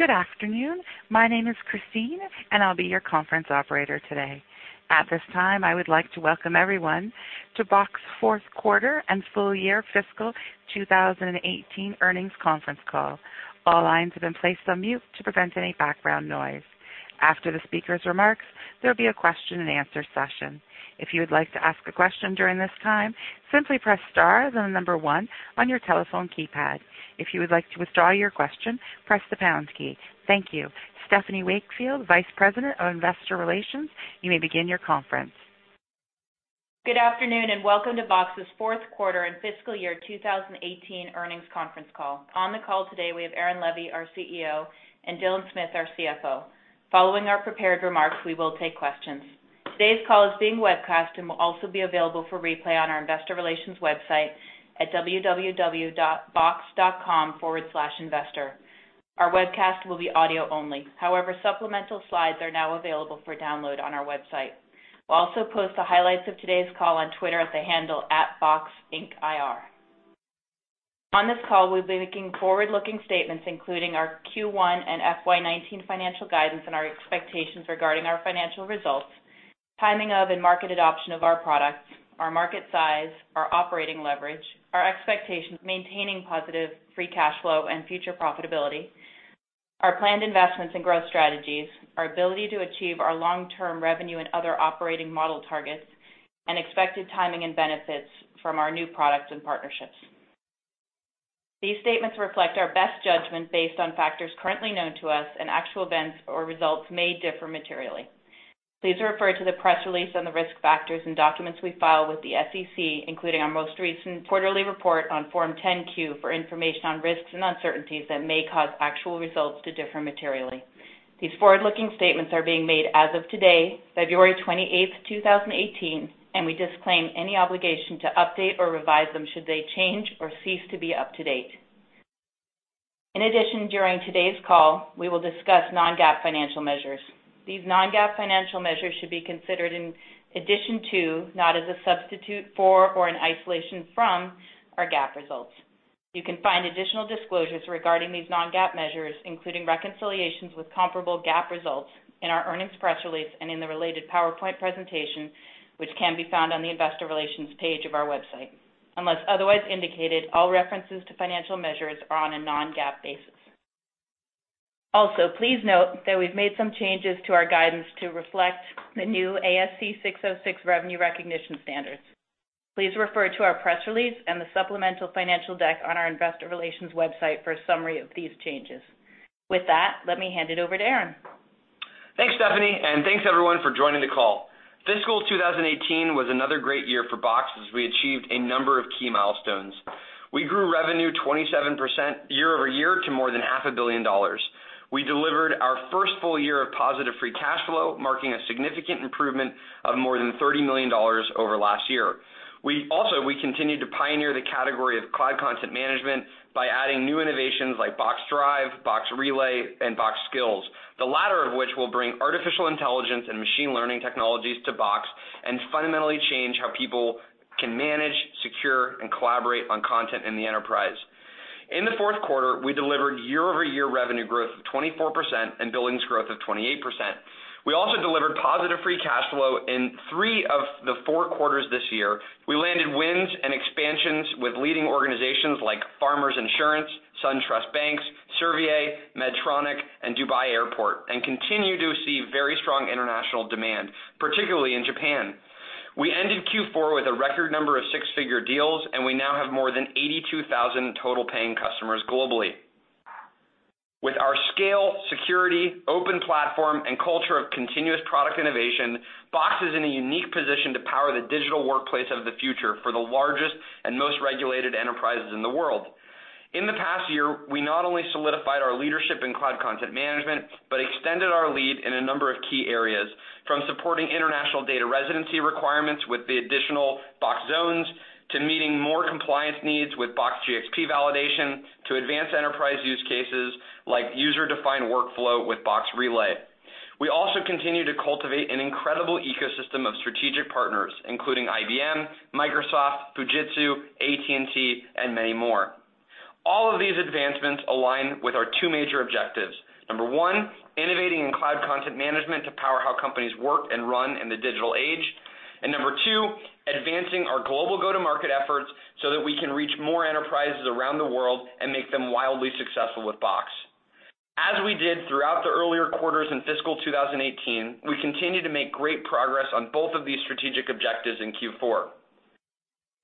Good afternoon. My name is Christine, and I'll be your conference operator today. At this time, I would like to welcome everyone to Box's fourth quarter and full year fiscal 2018 earnings conference call. All lines have been placed on mute to prevent any background noise. After the speaker's remarks, there'll be a question and answer session. If you would like to ask a question during this time, simply press star, then the number 1 on your telephone keypad. If you would like to withdraw your question, press the pound key. Thank you. Stephanie Wakefield, vice president of investor relations, you may begin your conference. Good afternoon. Welcome to Box's fourth quarter and fiscal year 2018 earnings conference call. On the call today, we have Aaron Levie, our CEO, and Dylan Smith, our CFO. Following our prepared remarks, we will take questions. Today's call is being webcast and will also be available for replay on our investor relations website at www.box.com/investor. Our webcast will be audio only. However, supplemental slides are now available for download on our website. We'll also post the highlights of today's call on Twitter at the handle @BoxIncIR. On this call, we'll be making forward-looking statements, including our Q1 and FY 2019 financial guidance and our expectations regarding our financial results, timing of and market adoption of our products, our market size, our operating leverage, our expectations maintaining positive free cash flow and future profitability, our planned investments and growth strategies, our ability to achieve our long-term revenue and other operating model targets, and expected timing and benefits from our new products and partnerships. These statements reflect our best judgment based on factors currently known to us, and actual events or results may differ materially. Please refer to the press release on the risk factors and documents we file with the SEC, including our most recent quarterly report on Form 10-Q, for information on risks and uncertainties that may cause actual results to differ materially. These forward-looking statements are being made as of today, February 28th, 2018. We disclaim any obligation to update or revise them should they change or cease to be up to date. In addition, during today's call, we will discuss non-GAAP financial measures. These non-GAAP financial measures should be considered in addition to, not as a substitute for or in isolation from, our GAAP results. You can find additional disclosures regarding these non-GAAP measures, including reconciliations with comparable GAAP results, in our earnings press release and in the related PowerPoint presentation, which can be found on the investor relations page of our website. Unless otherwise indicated, all references to financial measures are on a non-GAAP basis. Also, please note that we've made some changes to our guidance to reflect the new ASC 606 revenue recognition standards. Please refer to our press release and the supplemental financial deck on our investor relations website for a summary of these changes. With that, let me hand it over to Aaron. Thanks, Stephanie, and thanks, everyone, for joining the call. Fiscal 2018 was another great year for Box, as we achieved a number of key milestones. We grew revenue 27% year-over-year to more than half a billion dollars. We delivered our first full year of positive free cash flow, marking a significant improvement of more than $30 million over last year. We continued to pioneer the category of cloud content management by adding new innovations like Box Drive, Box Relay, Box Skills, the latter of which will bring artificial intelligence and machine learning technologies to Box and fundamentally change how people can manage, secure, and collaborate on content in the enterprise. In the fourth quarter, we delivered year-over-year revenue growth of 24% and billings growth of 28%. We also delivered positive free cash flow in three of the four quarters this year. We landed wins and expansions with leading organizations like Farmers Insurance, SunTrust Banks, Servier, Medtronic, and Dubai Airport, continue to see very strong international demand, particularly in Japan. We ended Q4 with a record number of six-figure deals, we now have more than 82,000 total paying customers globally. With our scale, security, open platform, and culture of continuous product innovation, Box is in a unique position to power the digital workplace of the future for the largest and most regulated enterprises in the world. In the past year, we not only solidified our leadership in cloud content management but extended our lead in a number of key areas, from supporting international data residency requirements with the additional Box Zones, to meeting more compliance needs with Box GxP Validation, to advanced enterprise use cases like user-defined workflow with Box Relay. We also continue to cultivate an incredible ecosystem of strategic partners, including IBM, Microsoft, Fujitsu, AT&T, and many more. All of these advancements align with our two major objectives. Number one, innovating in cloud content management to power how companies work and run in the digital age. Number two, advancing our global go-to-market efforts so that we can reach more enterprises around the world and make them wildly successful with Box. As we did throughout the earlier quarters in fiscal 2018, we continued to make great progress on both of these strategic objectives in Q4.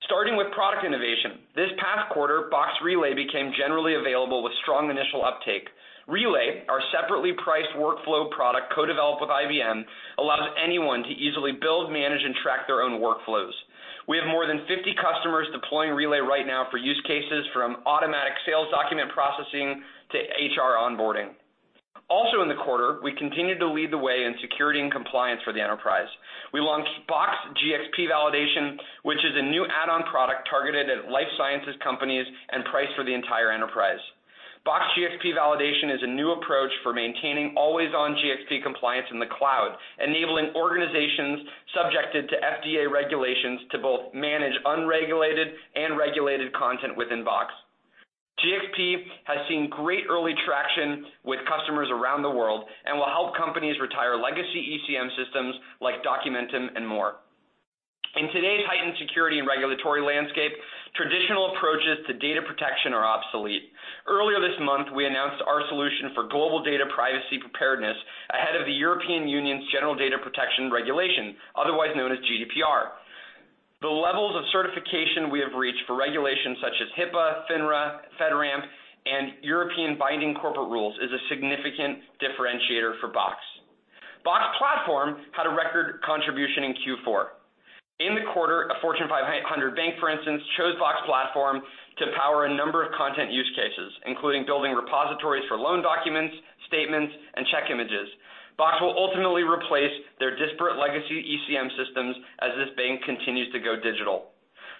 Starting with product innovation, this past quarter, Box Relay became generally available with strong initial uptake. Relay, our separately priced workflow product co-developed with IBM, allows anyone to easily build, manage, and track their own workflows. We have more than 50 customers deploying Box Relay right now for use cases from automatic sales document processing to HR onboarding. Also in the quarter, we continued to lead the way in security and compliance for the enterprise. We launched Box GxP Validation, which is a new add-on product targeted at life sciences companies and priced for the entire enterprise. Box GxP Validation is a new approach for maintaining always-on GxP compliance in the cloud, enabling organizations subjected to FDA regulations to both manage unregulated and regulated content within Box. It has seen great early traction with customers around the world and will help companies retire legacy ECM systems like Documentum and more. In today's heightened security and regulatory landscape, traditional approaches to data protection are obsolete. Earlier this month, we announced our solution for global data privacy preparedness ahead of the European Union's General Data Protection Regulation, otherwise known as GDPR. The levels of certification we have reached for regulations such as HIPAA, FINRA, FedRAMP, and European binding corporate rules is a significant differentiator for Box. Box Platform had a record contribution in Q4. In the quarter, a Fortune 500 bank, for instance, chose Box Platform to power a number of content use cases, including building repositories for loan documents, statements, and check images. Box will ultimately replace their disparate legacy ECM systems as this bank continues to go digital.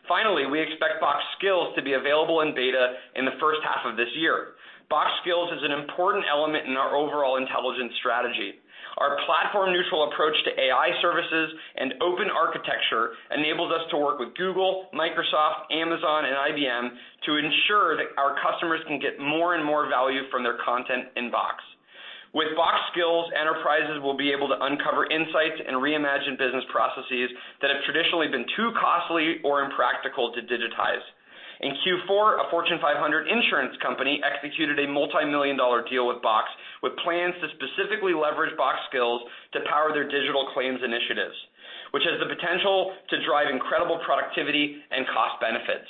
Finally, we expect Box Skills to be available in beta in the first half of this year. Box Skills is an important element in our overall intelligence strategy. Our platform-neutral approach to AI services and open architecture enables us to work with Google, Microsoft, Amazon, and IBM to ensure that our customers can get more and more value from their content in Box. With Box Skills, enterprises will be able to uncover insights and reimagine business processes that have traditionally been too costly or impractical to digitize. In Q4, a Fortune 500 insurance company executed a multi-million dollar deal with Box, with plans to specifically leverage Box Skills to power their digital claims initiatives, which has the potential to drive incredible productivity and cost benefits.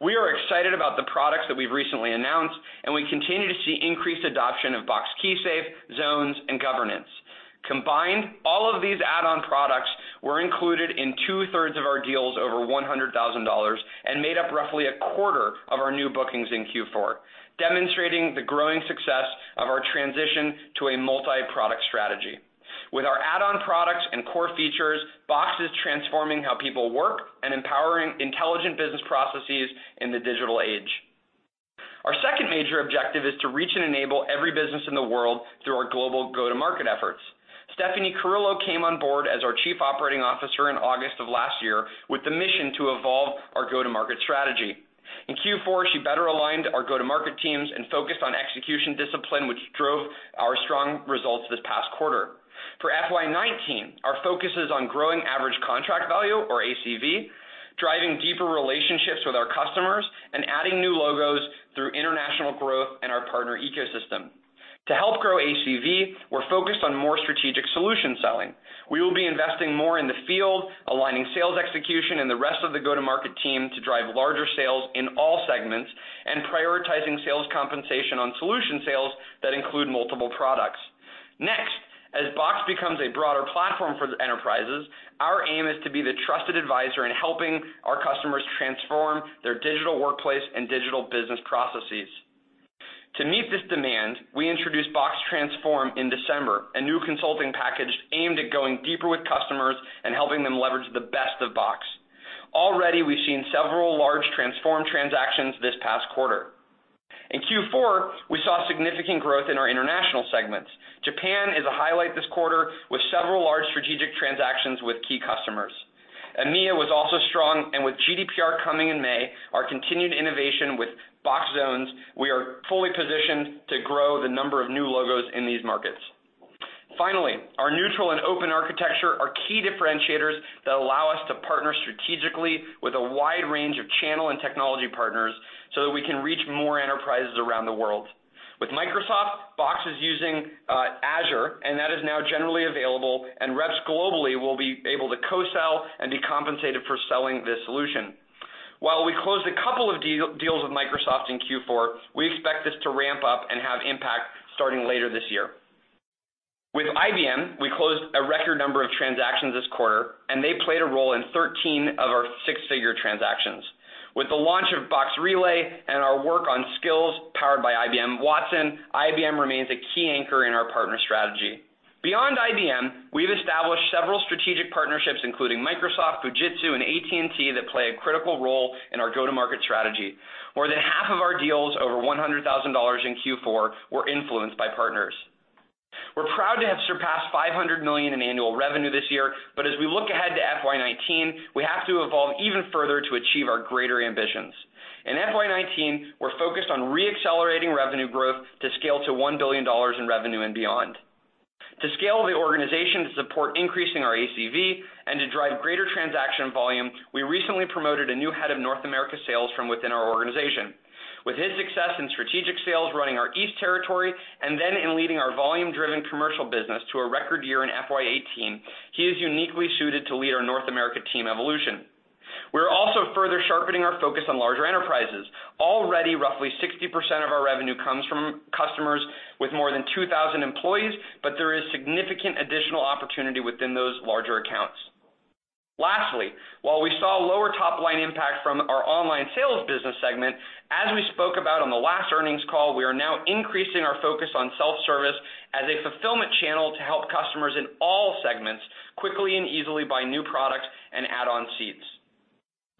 We are excited about the products that we've recently announced, and we continue to see increased adoption of Box KeySafe, Zones, and Governance. Combined, all of these add-on products were included in two-thirds of our deals over $100,000 and made up roughly a quarter of our new bookings in Q4, demonstrating the growing success of our transition to a multi-product strategy. With our add-on products and core features, Box is transforming how people work and empowering intelligent business processes in the digital age. Our second major objective is to reach and enable every business in the world through our global go-to-market efforts. Stephanie Carullo came on board as our Chief Operating Officer in August of last year with the mission to evolve our go-to-market strategy. In Q4, she better aligned our go-to-market teams and focused on execution discipline, which drove our strong results this past quarter. For FY 2019, our focus is on growing average contract value, or ACV, driving deeper relationships with our customers, and adding new logos through international growth and our partner ecosystem. To help grow ACV, we're focused on more strategic solution selling. We will be investing more in the field, aligning sales execution and the rest of the go-to-market team to drive larger sales in all segments and prioritizing sales compensation on solution sales that include multiple products. As Box becomes a broader platform for enterprises, our aim is to be the trusted advisor in helping our customers transform their digital workplace and digital business processes. To meet this demand, we introduced Box Transform in December, a new consulting package aimed at going deeper with customers and helping them leverage the best of Box. Already, we've seen several large Transform transactions this past quarter. In Q4, we saw significant growth in our international segments. Japan is a highlight this quarter, with several large strategic transactions with key customers. EMEA was also strong, and with GDPR coming in May, our continued innovation with Box Zones, we are fully positioned to grow the number of new logos in these markets. Our neutral and open architecture are key differentiators that allow us to partner strategically with a wide range of channel and technology partners so that we can reach more enterprises around the world. With Microsoft, Box is using Azure, and that is now generally available, and reps globally will be able to co-sell and be compensated for selling this solution. We closed a couple of deals with Microsoft in Q4, we expect this to ramp up and have impact starting later this year. With IBM, we closed a record number of transactions this quarter, and they played a role in 13 of our six-figure transactions. With the launch of Box Relay and our work on Skills powered by IBM Watson, IBM remains a key anchor in our partner strategy. Beyond IBM, we've established several strategic partnerships, including Microsoft, Fujitsu, and AT&T, that play a critical role in our go-to-market strategy. More than half of our deals over $100,000 in Q4 were influenced by partners. We're proud to have surpassed $500 million in annual revenue this year, but as we look ahead to FY 2019, we have to evolve even further to achieve our greater ambitions. In FY 2019, we're focused on re-accelerating revenue growth to scale to $1 billion in revenue and beyond. To scale the organization to support increasing our ACV and to drive greater transaction volume, we recently promoted a new head of North America sales from within our organization. With his success in strategic sales running our East territory, and then in leading our volume-driven commercial business to a record year in FY 2018, he is uniquely suited to lead our North America team evolution. We're also further sharpening our focus on larger enterprises. Already, roughly 60% of our revenue comes from customers with more than 2,000 employees, but there is significant additional opportunity within those larger accounts. While we saw lower top-line impact from our online sales business segment, as we spoke about on the last earnings call, we are now increasing our focus on self-service as a fulfillment channel to help customers in all segments quickly and easily buy new products and add-on seats.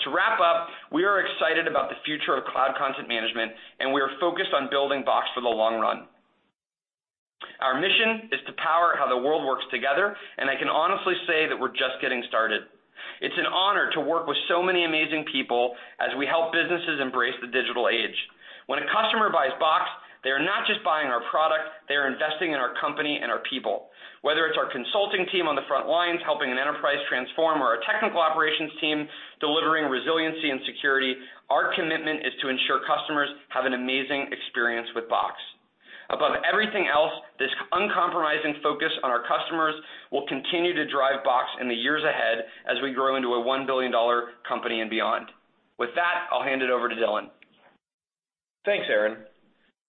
To wrap up, we are excited about the future of cloud content management, and we are focused on building Box for the long run. Our mission is to power how the world works together, and I can honestly say that we're just getting started. It's an honor to work with so many amazing people as we help businesses embrace the digital age. When a customer buys Box, they are not just buying our product, they are investing in our company and our people. Whether it's our consulting team on the front lines helping an enterprise transform, or our technical operations team delivering resiliency and security, our commitment is to ensure customers have an amazing experience with Box. Above everything else, this uncompromising focus on our customers will continue to drive Box in the years ahead as we grow into a $1 billion company and beyond. With that, I'll hand it over to Dylan. Thanks, Aaron.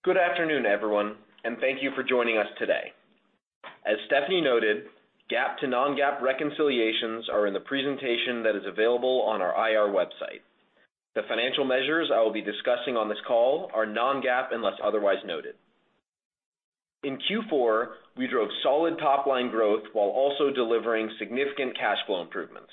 Good afternoon, everyone, and thank you for joining us today. As Stephanie noted, GAAP to non-GAAP reconciliations are in the presentation that is available on our IR website. The financial measures I will be discussing on this call are non-GAAP unless otherwise noted. In Q4, we drove solid top-line growth while also delivering significant cash flow improvements.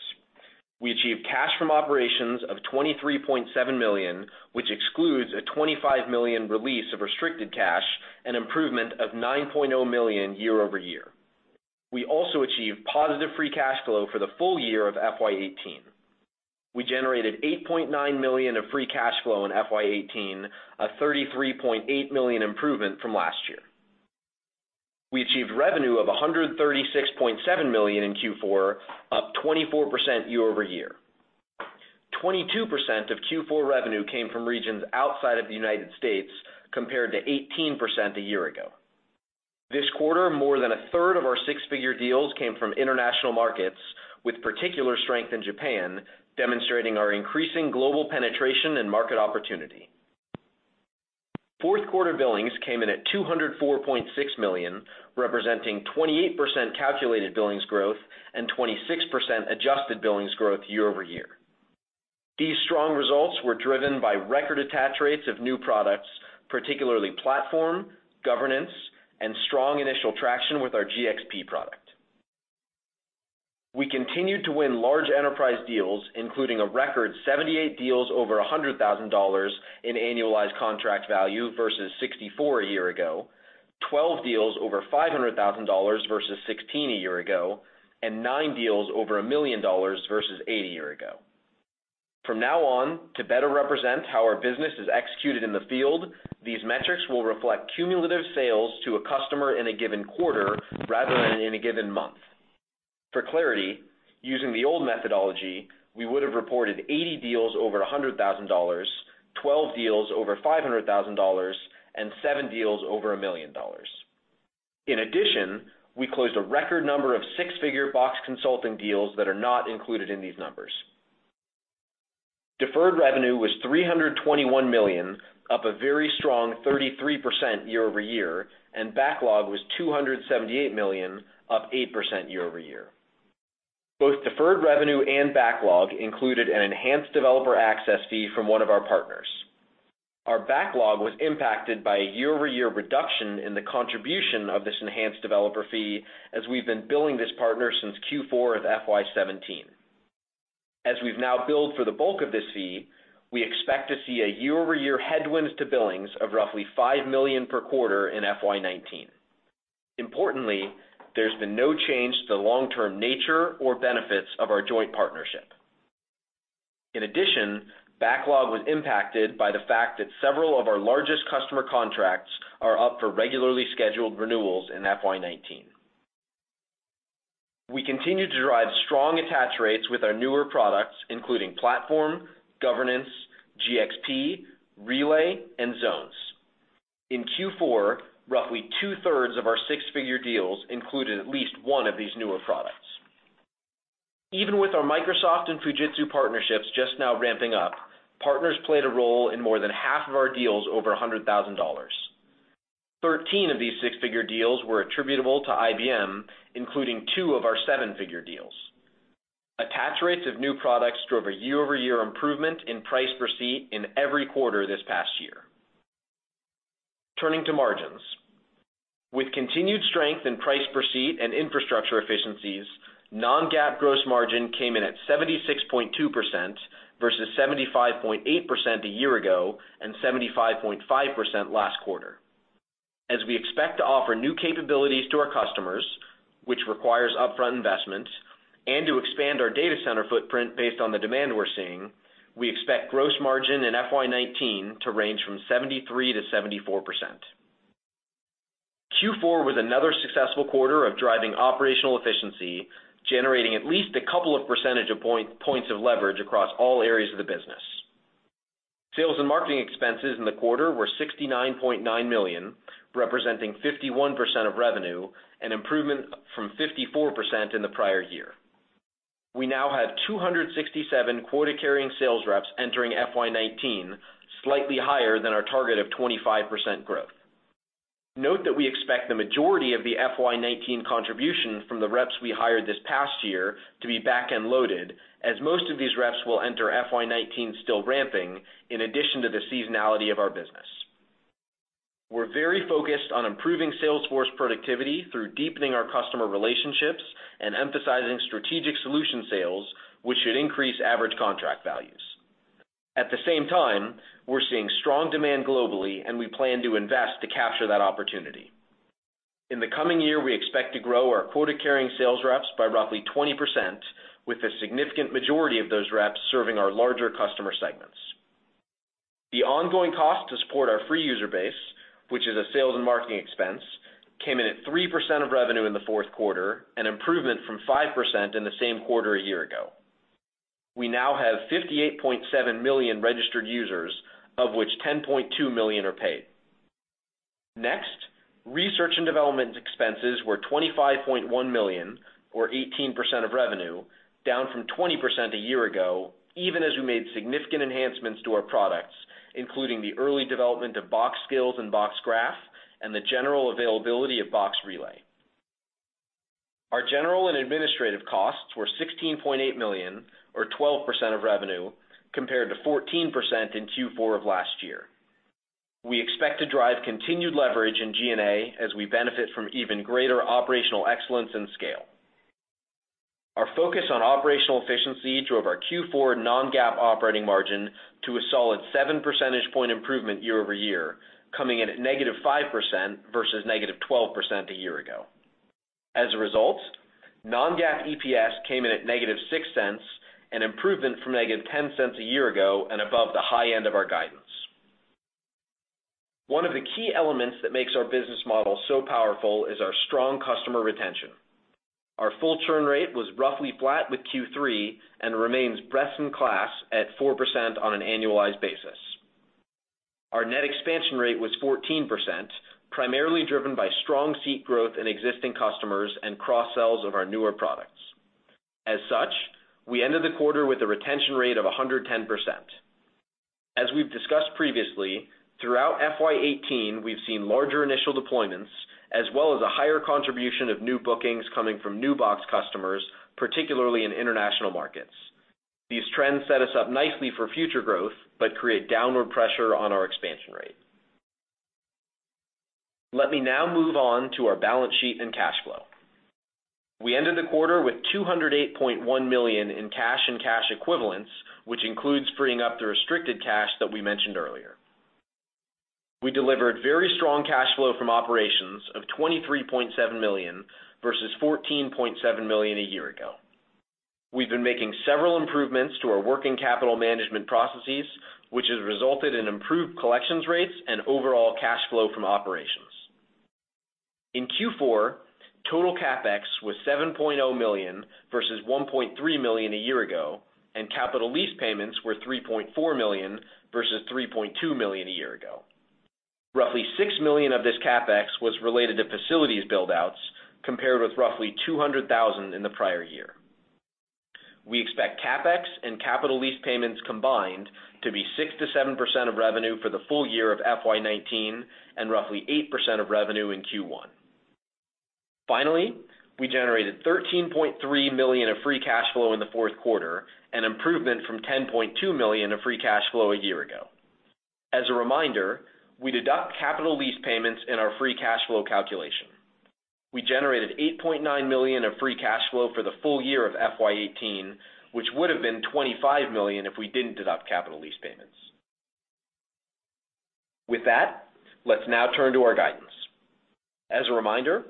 We achieved cash from operations of $23.7 million, which excludes a $25 million release of restricted cash, an improvement of $9.0 million year-over-year. We also achieved positive free cash flow for the full year of FY 2018. We generated $8.9 million of free cash flow in FY 2018, a $33.8 million improvement from last year. We achieved revenue of $136.7 million in Q4, up 24% year-over-year. 22% of Q4 revenue came from regions outside of the United States, compared to 18% a year ago. This quarter, more than a third of our six-figure deals came from international markets, with particular strength in Japan, demonstrating our increasing global penetration and market opportunity. Fourth quarter billings came in at $204.6 million, representing 28% calculated billings growth and 26% adjusted billings growth year-over-year. These strong results were driven by record attach rates of new products, particularly Platform, Governance, and strong initial traction with our GxP product. We continued to win large enterprise deals, including a record 78 deals over $100,000 in annualized contract value versus 64 a year ago, 12 deals over $500,000 versus 16 a year ago, and nine deals over a million dollars versus eight a year ago. From now on, to better represent how our business is executed in the field, these metrics will reflect cumulative sales to a customer in a given quarter rather than in a given month. For clarity, using the old methodology, we would have reported 80 deals over $100,000, 12 deals over $500,000, and seven deals over a million dollars. In addition, we closed a record number of six-figure Box Consulting deals that are not included in these numbers. Deferred revenue was $321 million, up a very strong 33% year-over-year, and backlog was $278 million, up 8% year-over-year. Both deferred revenue and backlog included an enhanced developer access fee from one of our partners. Our backlog was impacted by a year-over-year reduction in the contribution of this enhanced developer fee, as we've been billing this partner since Q4 of FY 2017. As we've now billed for the bulk of this fee, we expect to see a year-over-year headwind to billings of roughly $5 million per quarter in FY 2019. There's been no change to the long-term nature or benefits of our joint partnership. In addition, backlog was impacted by the fact that several of our largest customer contracts are up for regularly scheduled renewals in FY 2019. We continue to drive strong attach rates with our newer products, including Platform, Governance, GxP, Relay, and Zones. In Q4, roughly two-thirds of our six-figure deals included at least one of these newer products. Even with our Microsoft and Fujitsu partnerships just now ramping up, partners played a role in more than half of our deals over $100,000. 13 of these six-figure deals were attributable to IBM, including two of our seven-figure deals. Attach rates of new products drove a year-over-year improvement in price per seat in every quarter this past year. Turning to margins. With continued strength in price per seat and infrastructure efficiencies, non-GAAP gross margin came in at 76.2% versus 75.8% a year ago and 75.5% last quarter. As we expect to offer new capabilities to our customers, which requires upfront investment, and to expand our data center footprint based on the demand we're seeing, we expect gross margin in FY 2019 to range from 73%-74%. Q4 was another successful quarter of driving operational efficiency, generating at least a couple of percentage points of leverage across all areas of the business. Sales and marketing expenses in the quarter were $69.9 million, representing 51% of revenue, an improvement from 54% in the prior year. We now have 267 quota-carrying sales reps entering FY 2019, slightly higher than our target of 25% growth. We expect the majority of the FY 2019 contribution from the reps we hired this past year to be backend loaded, as most of these reps will enter FY 2019 still ramping, in addition to the seasonality of our business. We're very focused on improving sales force productivity through deepening our customer relationships and emphasizing strategic solution sales, which should increase average contract values. We're seeing strong demand globally, and we plan to invest to capture that opportunity. In the coming year, we expect to grow our quota-carrying sales reps by roughly 20%, with a significant majority of those reps serving our larger customer segments. The ongoing cost to support our free user base, which is a sales and marketing expense, came in at 3% of revenue in the fourth quarter, an improvement from 5% in the same quarter a year ago. We now have 58.7 million registered users, of which 10.2 million are paid. Next, research and development expenses were $25.1 million, or 18% of revenue, down from 20% a year ago, even as we made significant enhancements to our products, including the early development of Box Skills and Box Graph, and the general availability of Box Relay. Our general and administrative costs were $16.8 million, or 12% of revenue, compared to 14% in Q4 of last year. We expect to drive continued leverage in G&A as we benefit from even greater operational excellence and scale. Our focus on operational efficiency drove our Q4 non-GAAP operating margin to a solid seven percentage point improvement year-over-year, coming in at negative 5% versus negative 12% a year ago. As a result, non-GAAP EPS came in at negative $0.06, an improvement from negative $0.10 a year ago, and above the high end of our guidance. One of the key elements that makes our business model so powerful is our strong customer retention. Our full churn rate was roughly flat with Q3 and remains best in class at 4% on an annualized basis. Our net expansion rate was 14%, primarily driven by strong seat growth in existing customers and cross-sells of our newer products. As such, we ended the quarter with a retention rate of 110%. As we've discussed previously, throughout FY 2018, we've seen larger initial deployments, as well as a higher contribution of new bookings coming from new Box customers, particularly in international markets. These trends set us up nicely for future growth, create downward pressure on our expansion rate. Let me now move on to our balance sheet and cash flow. We ended the quarter with $208.1 million in cash and cash equivalents, which includes freeing up the restricted cash that we mentioned earlier. We delivered very strong cash flow from operations of $23.7 million versus $14.7 million a year ago. We've been making several improvements to our working capital management processes, which has resulted in improved collections rates and overall cash flow from operations. In Q4, total CapEx was $7.0 million, versus $1.3 million a year ago, and capital lease payments were $3.4 million, versus $3.2 million a year ago. Roughly $6 million of this CapEx was related to facilities build-outs, compared with roughly $200,000 in the prior year. We expect CapEx and capital lease payments combined to be 6%-7% of revenue for the full year of FY 2019, and roughly 8% of revenue in Q1. Finally, we generated $13.3 million of free cash flow in the fourth quarter, an improvement from $10.2 million of free cash flow a year ago. As a reminder, we deduct capital lease payments in our free cash flow calculation. We generated $8.9 million of free cash flow for the full year of FY 2018, which would have been $25 million if we didn't deduct capital lease payments. With that, let's now turn to our guidance. As a reminder,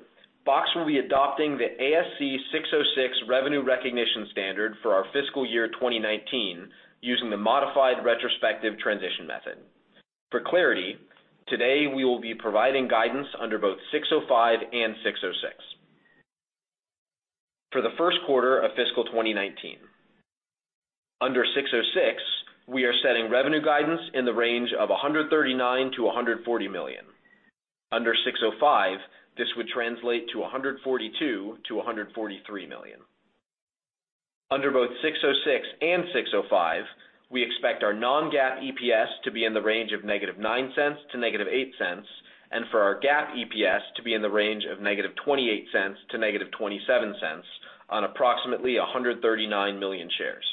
Box will be adopting the ASC 606 revenue recognition standard for our fiscal year 2019 using the modified retrospective transition method. For clarity, today we will be providing guidance under both 605 and 606. For the first quarter of fiscal 2019, under 606, we are setting revenue guidance in the range of $139 million-$140 million. Under 605, this would translate to $142 million-$143 million. Under both 606 and 605, we expect our non-GAAP EPS to be in the range of -$0.09 to -$0.08, and for our GAAP EPS to be in the range of -$0.28 to -$0.27 on approximately 139 million shares.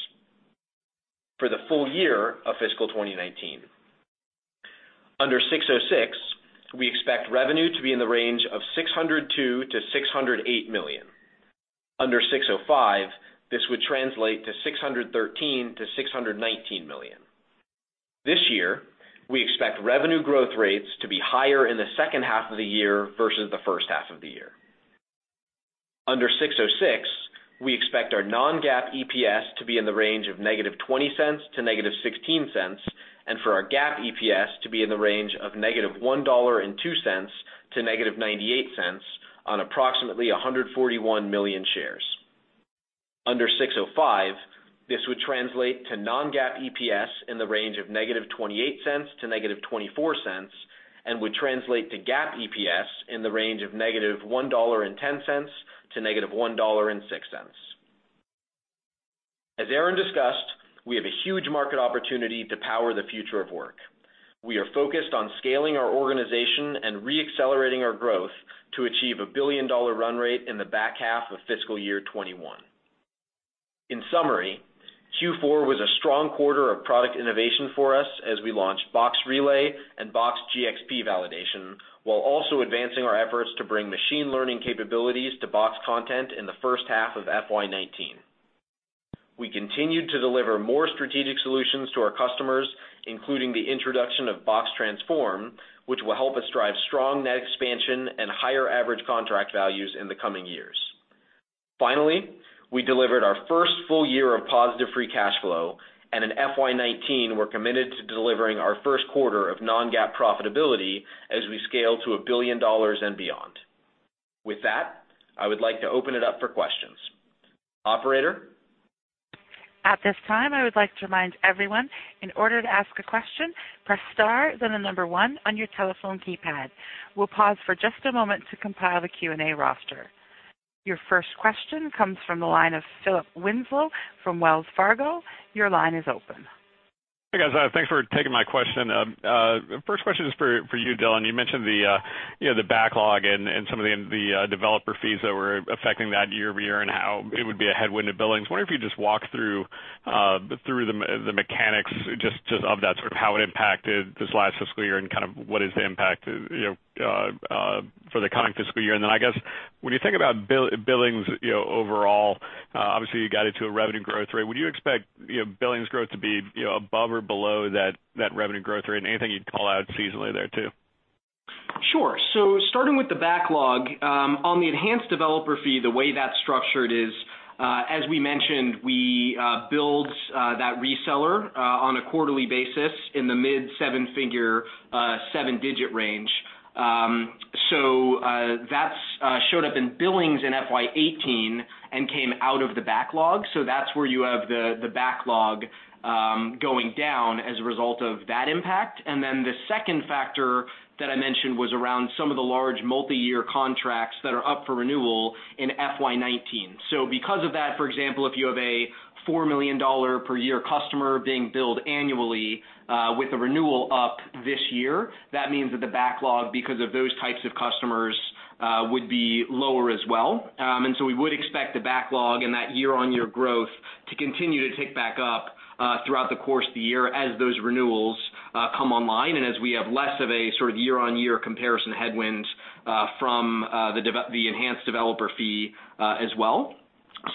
For the full year of fiscal 2019. Under 606, we expect revenue to be in the range of $602 million-$608 million. Under 605, this would translate to $613 million-$619 million. This year, we expect revenue growth rates to be higher in the second half of the year versus the first half of the year. Under 606, we expect our non-GAAP EPS to be in the range of -$0.20 to -$0.16, and for our GAAP EPS to be in the range of -$1.02 to -$0.98 on approximately 141 million shares. Under 605, this would translate to non-GAAP EPS in the range of -$0.28 to -$0.24, and would translate to GAAP EPS in the range of -$1.10 to -$1.06. As Aaron discussed, we have a huge market opportunity to power the future of work. We are focused on scaling our organization and re-accelerating our growth to achieve a billion-dollar run rate in the back half of fiscal year 2021. In summary, Q4 was a strong quarter of product innovation for us as we launched Box Relay and Box GxP Validation, while also advancing our efforts to bring machine learning capabilities to Box content in the first half of FY 2019. We continued to deliver more strategic solutions to our customers, including the introduction of Box Transform, which will help us drive strong net expansion and higher average contract values in the coming years. Finally, we delivered our first full year of positive free cash flow, and in FY 2019, we're committed to delivering our first quarter of non-GAAP profitability as we scale to a billion dollars and beyond. With that, I would like to open it up for questions. Operator? At this time, I would like to remind everyone, in order to ask a question, press star, then the number one on your telephone keypad. We'll pause for just a moment to compile the Q&A roster. Your first question comes from the line of Philip Winslow from Wells Fargo. Your line is open. Hey, guys. Thanks for taking my question. First question is for you, Dylan. You mentioned the backlog and some of the developer fees that were affecting that year-over-year and how it would be a headwind to billings. Wonder if you'd just walk through the mechanics just of that, sort of how it impacted this last fiscal year and kind of what is the impact for the current fiscal year. I guess when you think about billings overall, obviously you guide it to a revenue growth rate. Would you expect billings growth to be above or below that revenue growth rate? Anything you'd call out seasonally there, too? Sure. Starting with the backlog, on the enhanced developer fee, the way that's structured is, as we mentioned, we billed that reseller on a quarterly basis in the mid 7-figure, 7-digit range. That showed up in billings in FY 2018 and came out of the backlog. That's where you have the backlog going down as a result of that impact. The second factor that I mentioned was around some of the large multiyear contracts that are up for renewal in FY 2019. Because of that, for example, if you have a $4 million per year customer being billed annually with a renewal up this year, that means that the backlog, because of those types of customers, would be lower as well. We would expect the backlog and that year-over-year growth to continue to tick back up throughout the course of the year as those renewals come online and as we have less of a sort of year-over-year comparison headwind from the enhanced developer fee as well.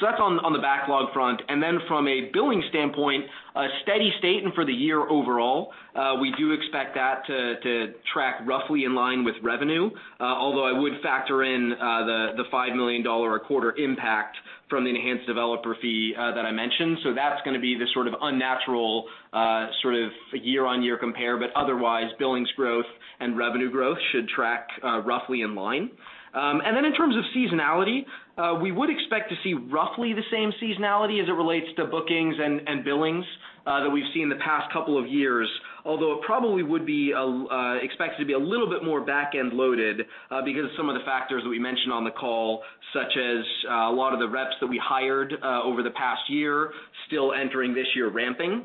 That's on the backlog front. From a billing standpoint, a steady state and for the year overall, we do expect that to track roughly in line with revenue. Although I would factor in the $5 million a quarter impact from the enhanced developer fee that I mentioned. That's going to be the sort of unnatural year-over-year compare, but otherwise, billings growth and revenue growth should track roughly in line. In terms of seasonality, we would expect to see roughly the same seasonality as it relates to bookings and billings that we've seen the past couple of years. Although it probably would be expected to be a little bit more back-end-loaded because of some of the factors that we mentioned on the call, such as a lot of the reps that we hired over the past year still entering this year ramping.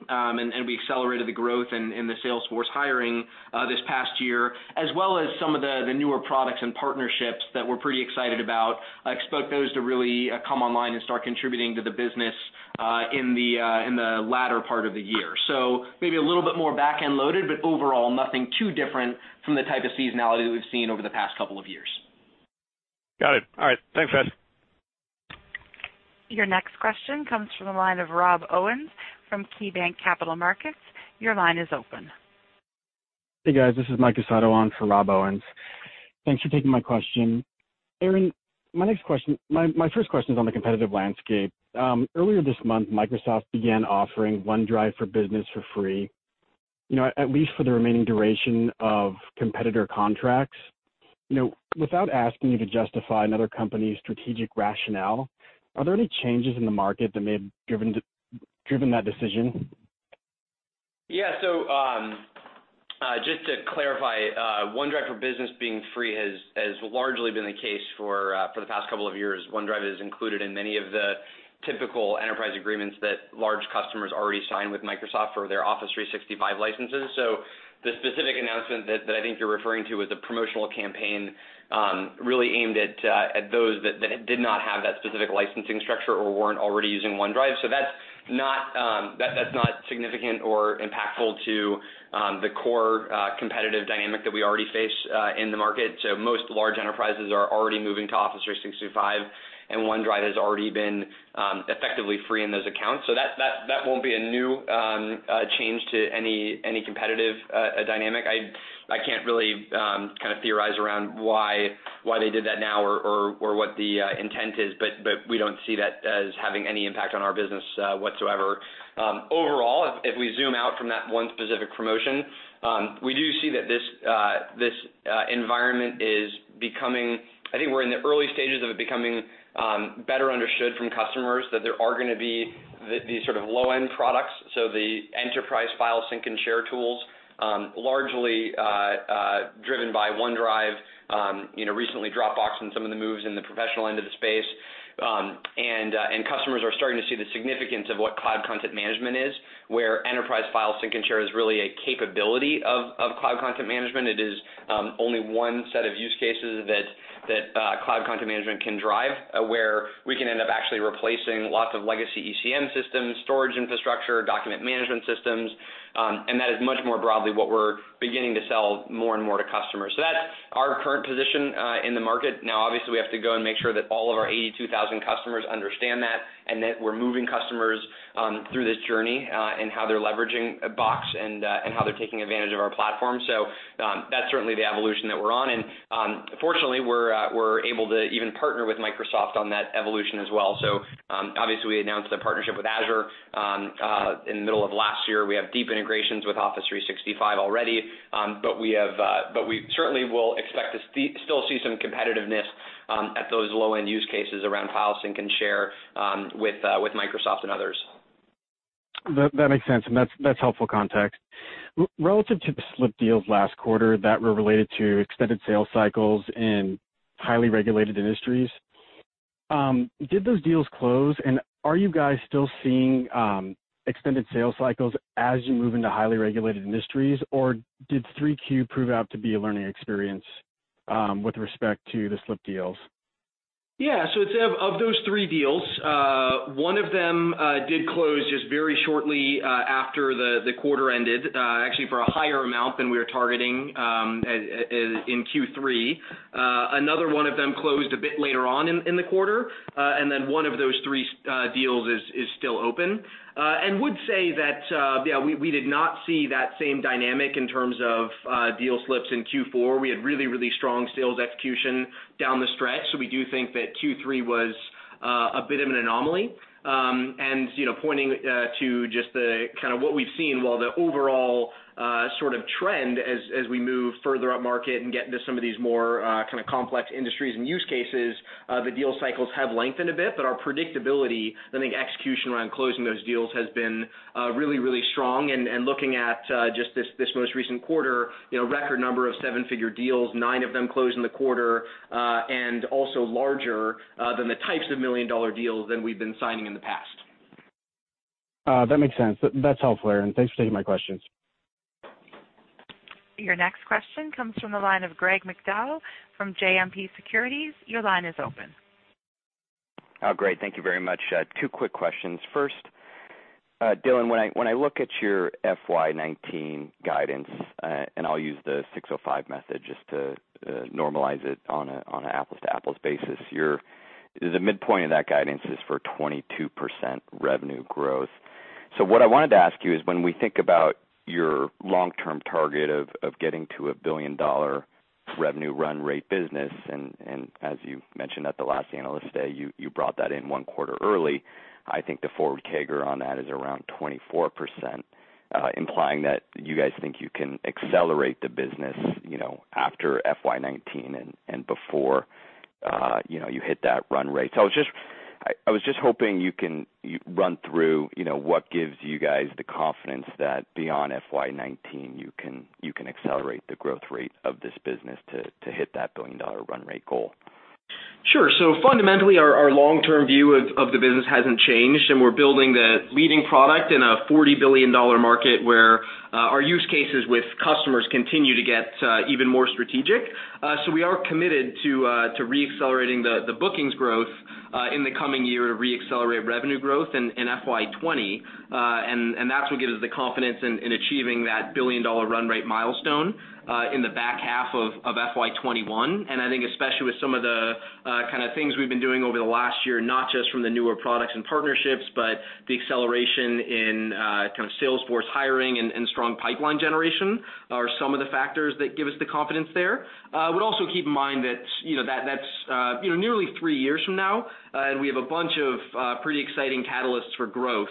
We accelerated the growth in the sales force hiring this past year, as well as some of the newer products and partnerships that we're pretty excited about. I expect those to really come online and start contributing to the business in the latter part of the year. Maybe a little bit more back-end-loaded, but overall, nothing too different from the type of seasonality that we've seen over the past couple of years. Got it. All right. Thanks, guys. Your next question comes from the line of Rob Owens from KeyBanc Capital Markets. Your line is open. Hey, guys, this is Mike Casado on for Rob Owens. Thanks for taking my question. Aaron, my first question is on the competitive landscape. Earlier this month, Microsoft began offering OneDrive for Business for free, at least for the remaining duration of competitor contracts. Without asking you to justify another company's strategic rationale, are there any changes in the market that may have driven that decision? Yeah. Just to clarify, OneDrive for Business being free has largely been the case for the past couple of years. OneDrive is included in many of the typical enterprise agreements that large customers already signed with Microsoft for their Office 365 licenses. The specific announcement that I think you're referring to is a promotional campaign really aimed at those that did not have that specific licensing structure or weren't already using OneDrive. That's not significant or impactful to the core competitive dynamic that we already face in the market. Most large enterprises are already moving to Office 365, and OneDrive has already been effectively free in those accounts. That won't be a new change to any competitive dynamic. I can't really kind of theorize around why they did that now or what the intent is, but we don't see that as having any impact on our business whatsoever. Overall, if we zoom out from that one specific promotion, we do see that this environment is becoming. I think we're in the early stages of it becoming better understood from customers that there are going to be these sort of low-end products. The enterprise file sync and share tools, largely driven by OneDrive, recently Dropbox and some of the moves in the professional end of the space. Customers are starting to see the significance of what cloud content management is, where enterprise file sync and share is really a capability of cloud content management. It is only one set of use cases that cloud content management can drive, where we can end up actually replacing lots of legacy ECM systems, storage infrastructure, document management systems That is much more broadly what we're beginning to sell more and more to customers. That's our current position in the market. Obviously, we have to go and make sure that all of our 82,000 customers understand that, and that we're moving customers through this journey in how they're leveraging Box and how they're taking advantage of our platform. That's certainly the evolution that we're on. Fortunately, we're able to even partner with Microsoft on that evolution as well. Obviously, we announced the partnership with Azure in the middle of last year. We have deep integrations with Office 365 already. We certainly will expect to still see some competitiveness at those low-end use cases around files sync and share with Microsoft and others. That makes sense, and that's helpful context. Relative to the slipped deals last quarter that were related to extended sales cycles in highly regulated industries, did those deals close? Are you guys still seeing extended sales cycles as you move into highly regulated industries, or did 3Q prove out to be a learning experience with respect to the slipped deals? Yeah. Of those three deals, one of them did close just very shortly after the quarter ended, actually for a higher amount than we were targeting in Q3. Another one of them closed a bit later on in the quarter. One of those three deals is still open. Would say that, yeah, we did not see that same dynamic in terms of deal slips in Q4. We had really strong sales execution down the stretch, so we do think that Q3 was a bit of an anomaly. Pointing to just the kind of what we've seen while the overall sort of trend as we move further up market and get into some of these more kind of complex industries and use cases, the deal cycles have lengthened a bit, but our predictability, I think execution around closing those deals has been really strong. Looking at just this most recent quarter, record number of seven-figure deals, nine of them closed in the quarter, and also larger than the types of million-dollar deals than we've been signing in the past. That makes sense. That's helpful, Aaron. Thanks for taking my questions. Your next question comes from the line of Greg McDowell from JMP Securities. Your line is open. Great. Thank you very much. Two quick questions. First, Dylan, when I look at your FY 2019 guidance, and I'll use the ASC 605 method just to normalize it on an apples-to-apples basis, the midpoint of that guidance is for 22% revenue growth. What I wanted to ask you is, when we think about your long-term target of getting to a billion-dollar revenue run rate business, and as you've mentioned at the last Analyst Day, you brought that in one quarter early. I think the forward CAGR on that is around 24%, implying that you guys think you can accelerate the business after FY 2019 and before you hit that run rate. I was just hoping you can run through what gives you guys the confidence that beyond FY 2019, you can accelerate the growth rate of this business to hit that billion-dollar run rate goal. Sure. Fundamentally, our long-term view of the business hasn't changed, and we're building the leading product in a $40 billion market where our use cases with customers continue to get even more strategic. We are committed to re-accelerating the bookings growth in the coming year or re-accelerate revenue growth in FY 2020. That's what gives us the confidence in achieving that billion-dollar run rate milestone in the back half of FY 2021. I think especially with some of the kind of things we've been doing over the last year, not just from the newer products and partnerships, but the acceleration in kind of sales force hiring and strong pipeline generation are some of the factors that give us the confidence there. I would also keep in mind that's nearly three years from now, and we have a bunch of pretty exciting catalysts for growth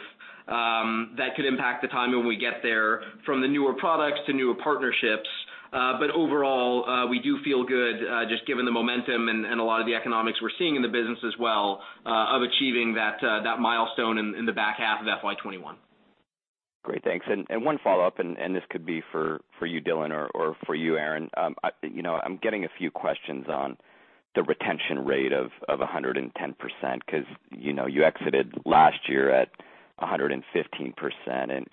that could impact the timing when we get there from the newer products to newer partnerships. Overall, we do feel good, just given the momentum and a lot of the economics we're seeing in the business as well, of achieving that milestone in the back half of FY 2021. Great. Thanks. One follow-up, and this could be for you, Dylan, or for you, Aaron. I'm getting a few questions on the retention rate of 110%, because you exited last year at 115%.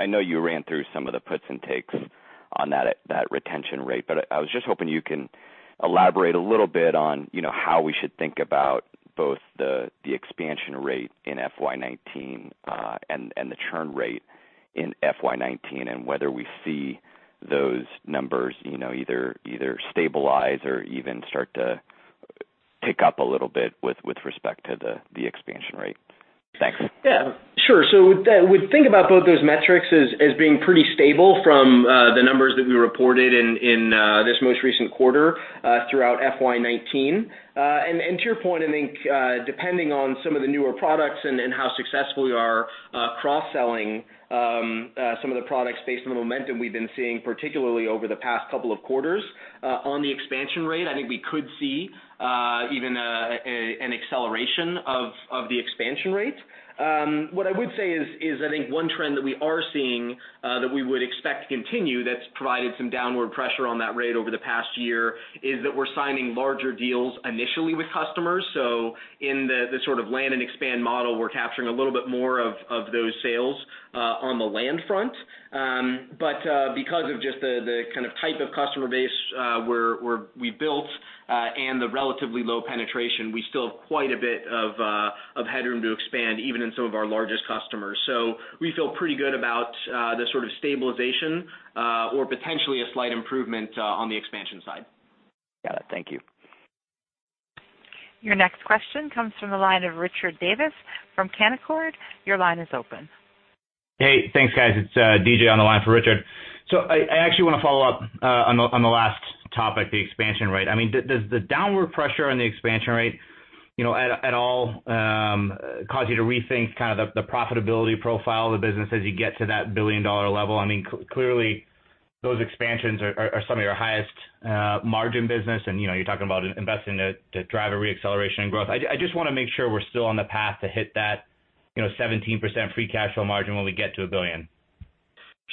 I know you ran through some of the puts and takes on that retention rate, but I was just hoping you can elaborate a little bit on how we should think about both the expansion rate in FY 2019, and the churn rate in FY 2019, and whether we see those numbers either stabilize or even start to tick up a little bit with respect to the expansion rate. Thanks. We think about both those metrics as being pretty stable from the numbers that we reported in this most recent quarter throughout FY 2019. To your point, I think depending on some of the newer products and how successful we are cross-selling some of the products based on the momentum we've been seeing, particularly over the past couple of quarters on the expansion rate, I think we could see even an acceleration of the expansion rate. What I would say is I think one trend that we are seeing that we would expect to continue that's provided some downward pressure on that rate over the past year is that we're signing larger deals initially with customers. In the sort of land and expand model, we're capturing a little bit more of those sales on the land front. Because of just the kind of type of customer base where we built and the relatively low penetration, we still have quite a bit of headroom to expand even in some of our largest customers. We feel pretty good about the sort of stabilization, or potentially a slight improvement on the expansion side. Got it. Thank you. Your next question comes from the line of Richard Davis from Canaccord. Your line is open. Hey, thanks, guys. It's DJ on the line for Richard. I actually want to follow up on the last topic, the expansion rate. Does the downward pressure on the expansion rate at all cause you to rethink kind of the profitability profile of the business as you get to that billion-dollar level? Clearly, those expansions are some of your highest margin business, and you're talking about investing to drive a re-acceleration in growth. I just want to make sure we're still on the path to hit that 17% free cash flow margin when we get to $1 billion.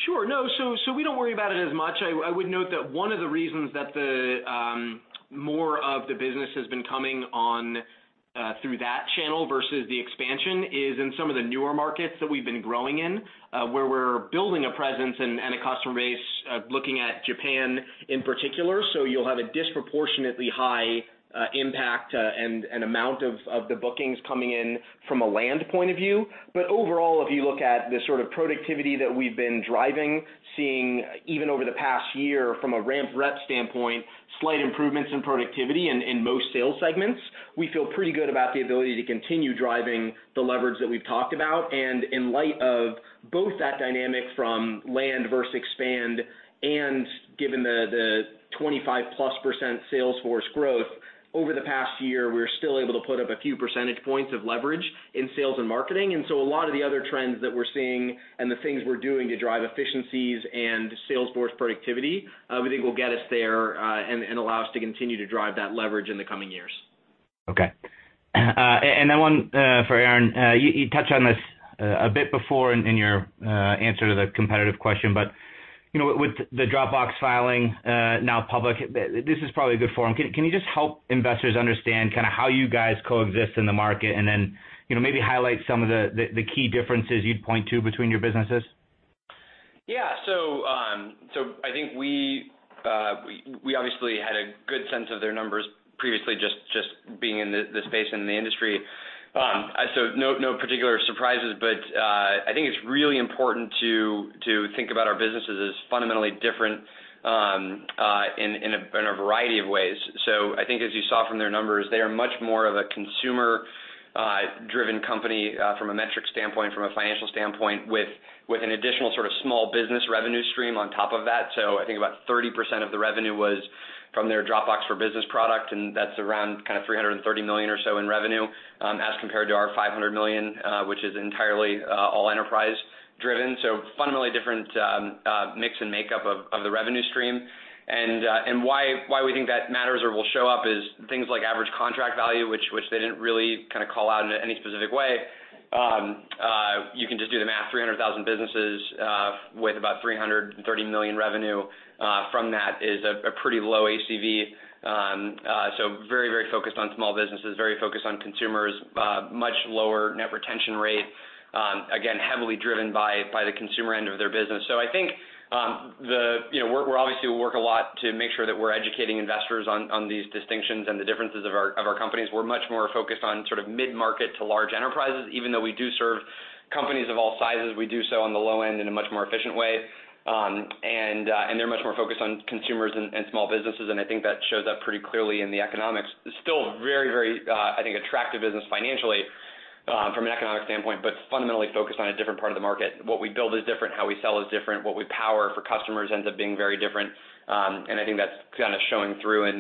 Sure. No, we don't worry about it as much. I would note that one of the reasons that more of the business has been coming on through that channel versus the expansion is in some of the newer markets that we've been growing in, where we're building a presence and a customer base, looking at Japan in particular. You'll have a disproportionately high impact and amount of the bookings coming in from a land point of view. Overall, if you look at the sort of productivity that we've been driving, seeing even over the past year from a ramp rep standpoint, slight improvements in productivity in most sales segments, we feel pretty good about the ability to continue driving the leverage that we've talked about. In light of both that dynamic from land versus expand and given the 25-plus % sales force growth over the past year, we're still able to put up a few percentage points of leverage in sales and marketing. A lot of the other trends that we're seeing and the things we're doing to drive efficiencies and sales force productivity, we think will get us there, and allow us to continue to drive that leverage in the coming years. Okay. One for Aaron. You touched on this a bit before in your answer to the competitive question, with the Dropbox filing now public, this is probably a good forum. Can you just help investors understand how you guys coexist in the market, and then maybe highlight some of the key differences you'd point to between your businesses? I think we obviously had a good sense of their numbers previously, just being in the space and in the industry. No particular surprises, but I think it's really important to think about our businesses as fundamentally different in a variety of ways. I think as you saw from their numbers, they are much more of a consumer-driven company, from a metric standpoint, from a financial standpoint, with an additional sort of small business revenue stream on top of that. I think about 30% of the revenue was from their Dropbox for Business product, and that's around $330 million or so in revenue, as compared to our $500 million, which is entirely all enterprise-driven. Fundamentally different mix and makeup of the revenue stream. Why we think that matters or will show up is things like average contract value, which they didn't really call out in any specific way. You can just do the math, 300,000 businesses with about $330 million revenue from that is a pretty low ACV. Very focused on small businesses, very focused on consumers, much lower net retention rate. Again, heavily driven by the consumer end of their business. I think we obviously work a lot to make sure that we're educating investors on these distinctions and the differences of our companies. We're much more focused on mid-market to large enterprises. Even though we do serve companies of all sizes, we do so on the low end in a much more efficient way. They're much more focused on consumers and small businesses, and I think that shows up pretty clearly in the economics. It's still very, I think, attractive business financially from an economic standpoint, but fundamentally focused on a different part of the market. What we build is different, how we sell is different, what we power for customers ends up being very different. I think that's kind of showing through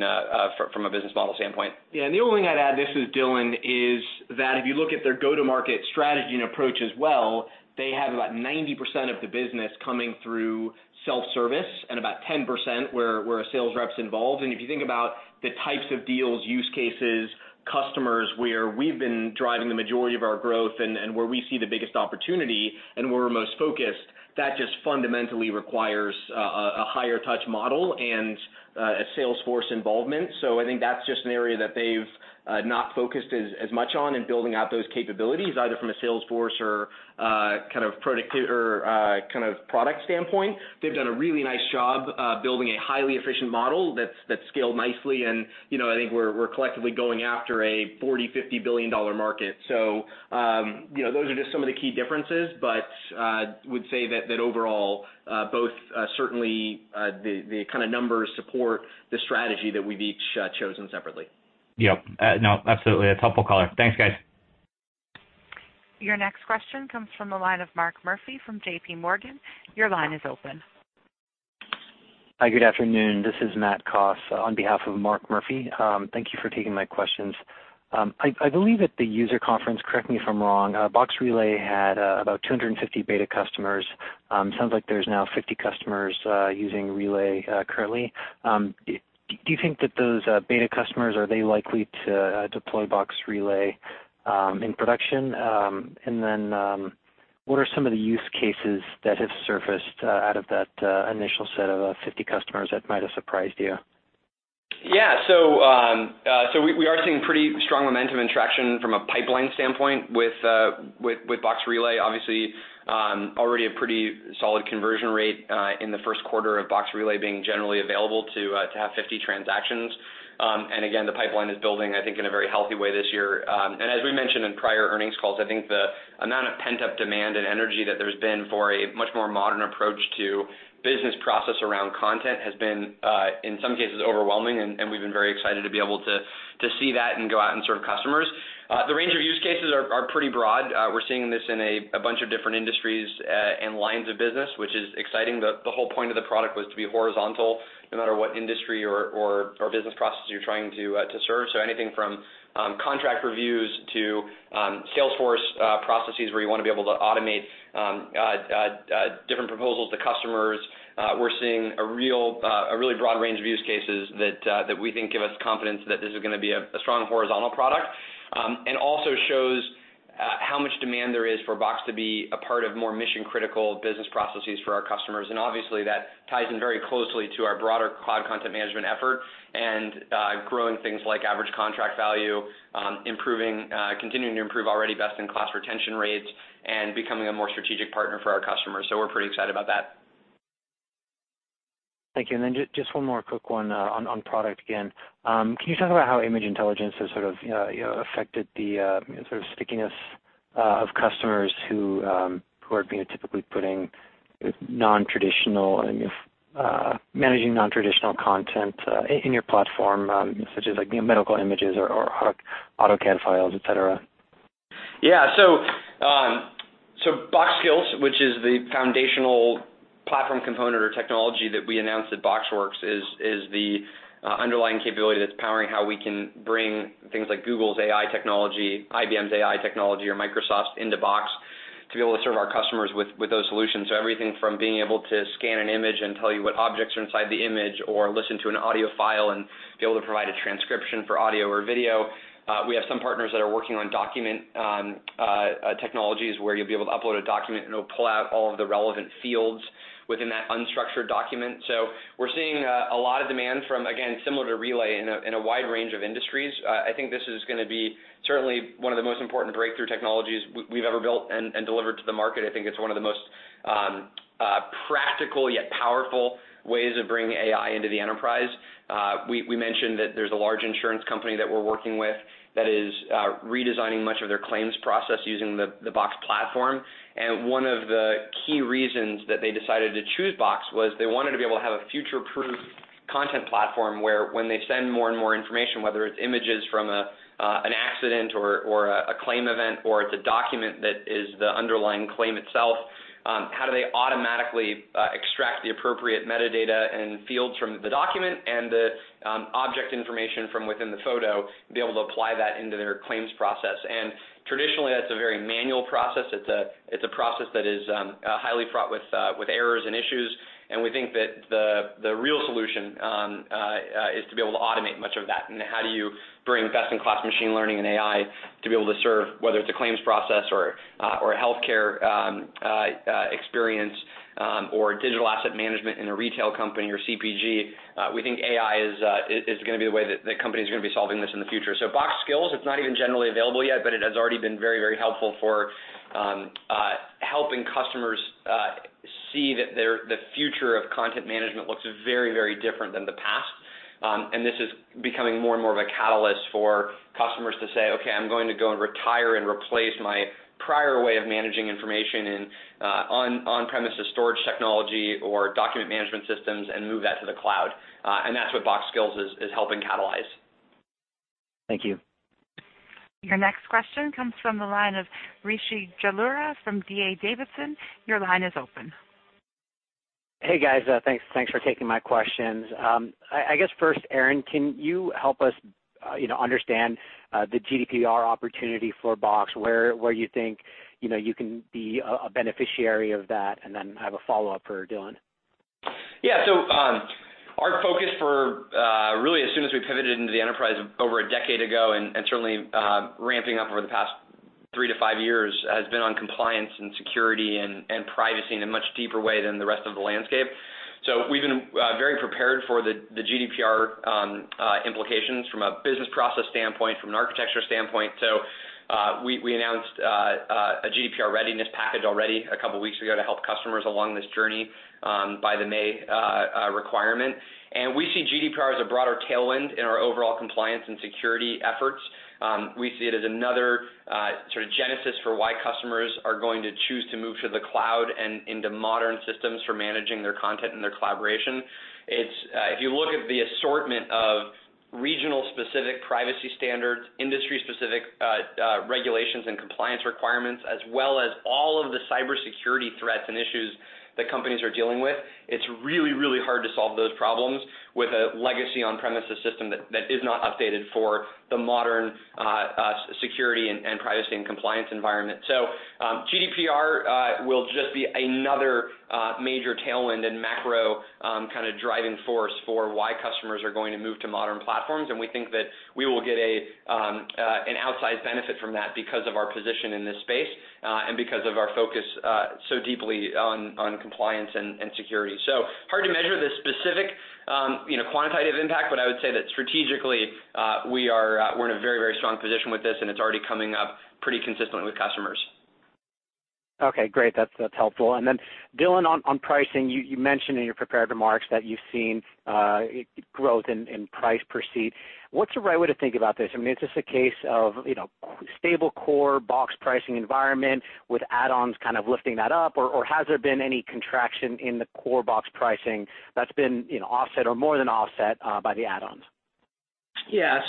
from a business model standpoint. Yeah, the only thing I'd add, this is Dylan, is that if you look at their go-to-market strategy and approach as well, they have about 90% of the business coming through self-service and about 10% where a sales rep's involved. If you think about the types of deals, use cases, customers where we've been driving the majority of our growth and where we see the biggest opportunity and where we're most focused, that just fundamentally requires a higher touch model and a sales force involvement. I think that's just an area that they've not focused as much on in building out those capabilities, either from a sales force or product standpoint. They've done a really nice job building a highly efficient model that's scaled nicely, and I think we're collectively going after a $40, $50 billion market. Those are just some of the key differences, but I would say that overall, both certainly the kind of numbers support the strategy that we've each chosen separately. Yep. No, absolutely. That's helpful color. Thanks, guys. Your next question comes from the line of Mark Murphy from J.P. Morgan. Your line is open. Hi, good afternoon. This is Matt Koss on behalf of Mark Murphy. Thank you for taking my questions. I believe at the user conference, correct me if I'm wrong, Box Relay had about 250 beta customers. It sounds like there's now 50 customers using Relay currently. Do you think that those beta customers, are they likely to deploy Box Relay in production? What are some of the use cases that have surfaced out of that initial set of 50 customers that might have surprised you? We are seeing pretty strong momentum and traction from a pipeline standpoint with Box Relay, obviously, already a pretty solid conversion rate in the first quarter of Box Relay being generally available to have 50 transactions. Again, the pipeline is building, I think, in a very healthy way this year. As we mentioned in prior earnings calls, I think the amount of pent-up demand and energy that there's been for a much more modern approach to business process around content has been, in some cases, overwhelming, and we've been very excited to be able to see that and go out and serve customers. The range of use cases are pretty broad. We're seeing this in a bunch of different industries, and lines of business, which is exciting. The whole point of the product was to be horizontal, no matter what industry or business process you're trying to serve. Anything from contract reviews to Salesforce processes where you want to be able to automate different proposals to customers. We're seeing a really broad range of use cases that we think give us confidence that this is going to be a strong horizontal product. Also shows how much demand there is for Box to be a part of more mission-critical business processes for our customers. Obviously, that ties in very closely to our broader cloud content management effort and growing things like average contract value, continuing to improve already best-in-class retention rates, and becoming a more strategic partner for our customers. We're pretty excited about that. Thank you. Then just one more quick one on product again. Can you talk about how image intelligence has affected the stickiness of customers who are typically managing nontraditional content in your platform, such as medical images or AutoCAD files, et cetera? Yeah. Box Skills, which is the foundational platform component or technology that we announced at BoxWorks, is the underlying capability that's powering how we can bring things like Google's AI technology, IBM's AI technology, or Microsoft's into Box to be able to serve our customers with those solutions. Everything from being able to scan an image and tell you what objects are inside the image, or listen to an audio file and be able to provide a transcription for audio or video. We have some partners that are working on document technologies, where you'll be able to upload a document, and it'll pull out all of the relevant fields within that unstructured document. We're seeing a lot of demand from, again, similar to Relay, in a wide range of industries. I think this is going to be certainly one of the most important breakthrough technologies we've ever built and delivered to the market. I think it's one of the most practical yet powerful ways of bringing AI into the enterprise. We mentioned that there's a large insurance company that we're working with that is redesigning much of their claims process using the Box Platform. One of the key reasons that they decided to choose Box was they wanted to be able to have a future-proof content platform where when they send more and more information, whether it's images from an accident or a claim event, or it's a document that is the underlying claim itself, how do they automatically extract the appropriate metadata and fields from the document and the object information from within the photo to be able to apply that into their claims process? Traditionally, that's a very manual process. It's a process that is highly fraught with errors and issues. We think that the real solution is to be able to automate much of that. How do you bring best-in-class machine learning and AI to be able to serve, whether it's a claims process or a healthcare experience, or digital asset management in a retail company or CPG? We think AI is going to be the way that companies are going to be solving this in the future. Box Skills, it's not even generally available yet, but it has already been very helpful for helping customers see that the future of content management looks very different than the past. This is becoming more and more of a catalyst for customers to say, "Okay, I'm going to go and retire and replace my prior way of managing information and on-premises storage technology or document management systems and move that to the cloud." That's what Box Skills is helping catalyze. Thank you. Your next question comes from the line of Rishi Jaluria from D.A. Davidson. Your line is open. Hey, guys. Thanks for taking my questions. I guess first, Aaron, can you help us understand the GDPR opportunity for Box, where you think you can be a beneficiary of that? Then I have a follow-up for Dylan. Yeah. Our focus for really as soon as we pivoted into the enterprise over a decade ago, and certainly ramping up over the past three to five years, has been on compliance and security and privacy in a much deeper way than the rest of the landscape. We've been very prepared for the GDPR implications from a business process standpoint, from an architecture standpoint. We announced a GDPR readiness package already a couple of weeks ago to help customers along this journey by the May requirement. We see GDPR as a broader tailwind in our overall compliance and security efforts. We see it as another genesis for why customers are going to choose to move to the cloud and into modern systems for managing their content and their collaboration. If you look at the assortment of regional specific privacy standards, industry specific regulations and compliance requirements, as well as all of the cybersecurity threats and issues that companies are dealing with, it's really hard to solve those problems with a legacy on-premises system that is not updated for the modern security and privacy, and compliance environment. GDPR will just be another major tailwind and macro driving force for why customers are going to move to modern platforms. We think that we will get an outsized benefit from that because of our position in this space, and because of our focus so deeply on compliance and security. Hard to measure the specific quantitative impact, but I would say that strategically, we're in a very strong position with this, and it's already coming up pretty consistently with customers. Okay, great. That's helpful. Dylan, on pricing, you mentioned in your prepared remarks that you've seen growth in price per seat. What's the right way to think about this? Is this a case of stable core Box pricing environment with add-ons lifting that up, or has there been any contraction in the core Box pricing that's been offset or more than offset by the add-ons? Yeah.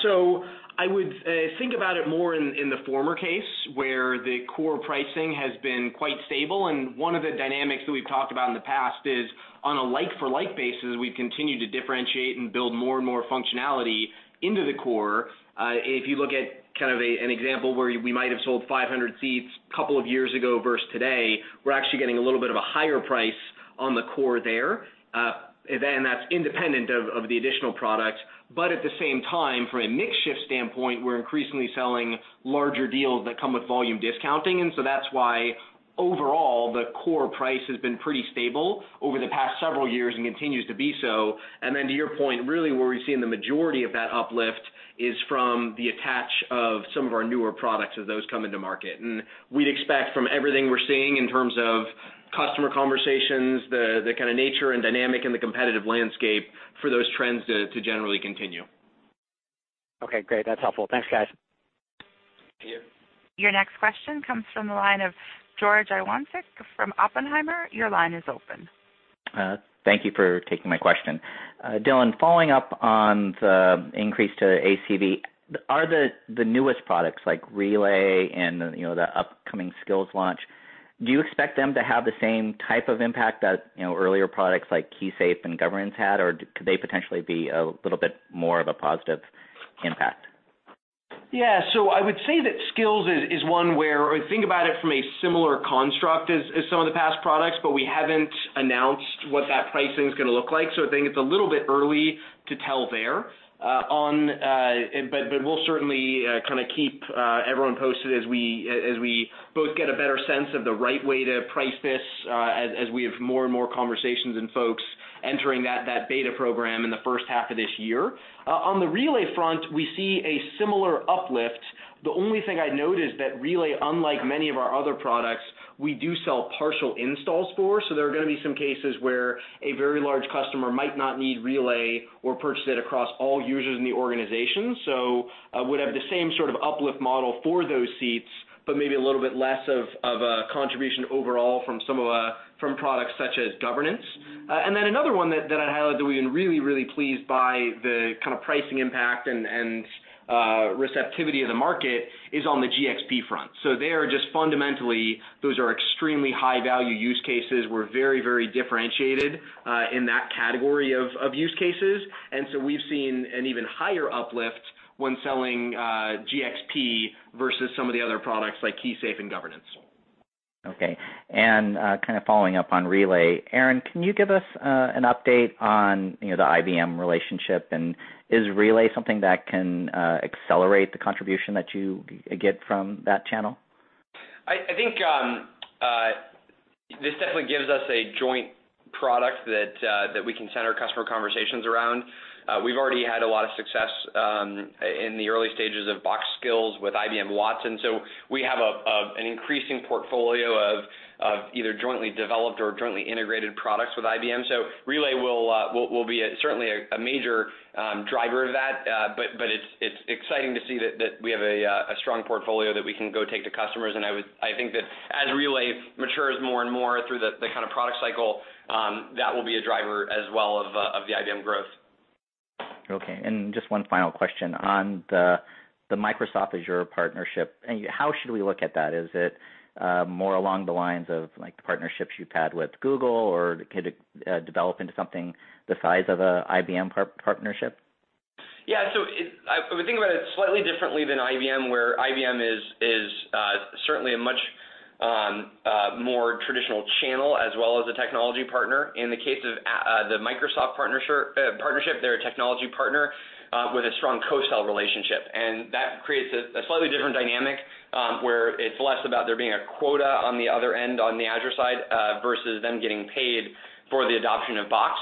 I would think about it more in the former case, where the core pricing has been quite stable, one of the dynamics that we've talked about in the past is on a like for like basis, we've continued to differentiate and build more and more functionality into the core. If you look at an example where we might have sold 500 seats a couple of years ago versus today, we're actually getting a little bit of a higher price on the core there. That's independent of the additional products. At the same time, from a mix shift standpoint, we're increasingly selling larger deals that come with volume discounting, that's why overall, the core price has been pretty stable over the past several years and continues to be so. To your point, really where we've seen the majority of that uplift is from the attach of some of our newer products as those come into market. We'd expect from everything we're seeing in terms of customer conversations, the nature and dynamic in the competitive landscape for those trends to generally continue. Okay, great. That's helpful. Thanks, guys. See you. Your next question comes from the line of George Iwanyc from Oppenheimer. Your line is open. Thank you for taking my question. Dylan, following up on the increase to ACV. Are the newest products like Relay and the upcoming Skills launch, do you expect them to have the same type of impact that earlier products like KeySafe and Governance had, or could they potentially be a little bit more of a positive impact? Yeah. I would say that Skills is one where, think about it from a similar construct as some of the past products. We haven't announced what that pricing's going to look like. I think it's a little bit early to tell there. We'll certainly keep everyone posted as we both get a better sense of the right way to price this, as we have more and more conversations and folks entering that beta program in the first half of this year. On the Relay front, we see a similar uplift. The only thing I'd note is that Relay, unlike many of our other products, we do sell partial installs for. There are going to be some cases where a very large customer might not need Relay or purchase it across all users in the organization. Would have the same sort of uplift model for those seats, but maybe a little bit less of a contribution overall from products such as Governance. Another one that I'd highlight that we've been really, really pleased by the pricing impact and receptivity of the market is on the GxP front. They are just fundamentally, those are extremely high-value use cases. We're very, very differentiated, in that category of use cases. We've seen an even higher uplift when selling GxP versus some of the other products like KeySafe and Governance. Okay. Following up on Relay. Aaron, can you give us an update on the IBM relationship, and is Relay something that can accelerate the contribution that you get from that channel? I think this definitely gives us a joint product that we can center customer conversations around. We've already had a lot of success in the early stages of Box Skills with IBM Watson. We have an increasing portfolio of either jointly developed or jointly integrated products with IBM. Relay will be certainly a major driver of that. It's exciting to see that we have a strong portfolio that we can go take to customers, and I think that as Relay matures more and more through the product cycle, that will be a driver as well of the IBM growth. Okay, just one final question on the Microsoft Azure partnership. How should we look at that? Is it more along the lines of the partnerships you've had with Google, or could it develop into something the size of a IBM partnership? I would think about it slightly differently than IBM, where IBM is certainly a much more traditional channel as well as a technology partner. In the case of the Microsoft partnership, they're a technology partner, with a strong co-sell relationship. That creates a slightly different dynamic, where it's less about there being a quota on the other end on the Azure side, versus them getting paid for the adoption of Box.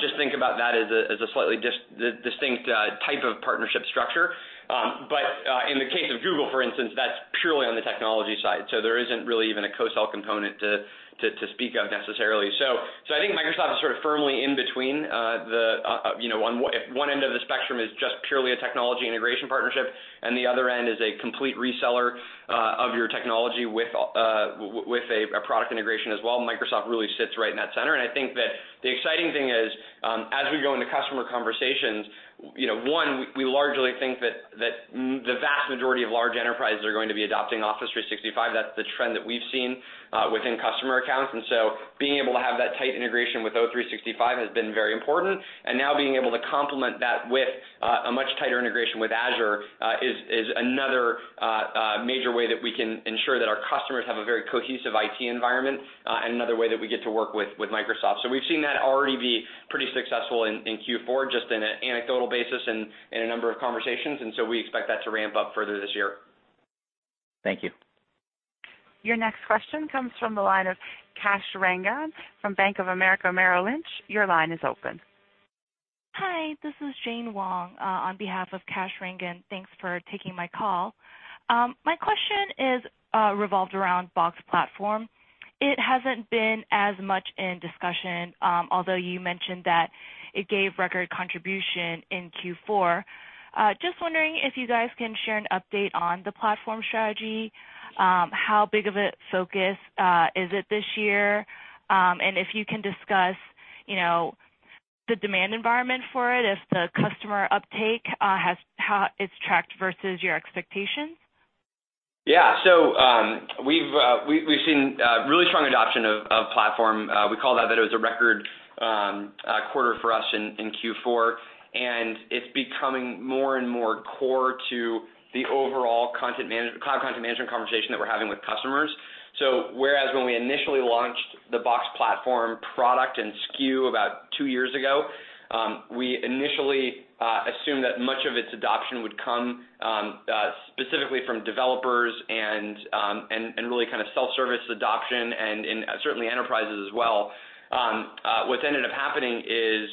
Just think about that as a slightly distinct type of partnership structure. In the case of Google, for instance, that's purely on the technology side. There isn't really even a co-sell component to speak of necessarily. I think Microsoft is sort of firmly in between. If one end of the spectrum is just purely a technology integration partnership and the other end is a complete reseller of your technology with a product integration as well, Microsoft really sits right in that center. I think that the exciting thing is, as we go into customer conversations, one, we largely think that the vast majority of large enterprises are going to be adopting Office 365. That's the trend that we've seen within customer accounts, being able to have that tight integration with O365 has been very important. Now being able to complement that with a much tighter integration with Azure, is another major way that we can ensure that our customers have a very cohesive IT environment, and another way that we get to work with Microsoft. We've seen that already be pretty successful in Q4, just in an anecdotal basis and in a number of conversations, we expect that to ramp up further this year. Thank you. Your next question comes from the line of Kash Rangan from Bank of America Merrill Lynch. Your line is open This is Jane Wong on behalf of Kash Rangan. Thanks for taking my call. My question revolves around Box Platform. It hasn't been as much in discussion, although you mentioned that it gave record contribution in Q4. Just wondering if you guys can share an update on the platform strategy, how big of a focus is it this year, and if you can discuss the demand environment for it as the customer uptake, how it's tracked versus your expectations. Yeah. We've seen really strong adoption of Platform. We called that it was a record quarter for us in Q4, and it's becoming more and more core to the overall cloud content management conversation that we're having with customers. Whereas when we initially launched the Box Platform product and SKU about two years ago, we initially assumed that much of its adoption would come specifically from developers and really self-service adoption, and certainly enterprises as well. What's ended up happening is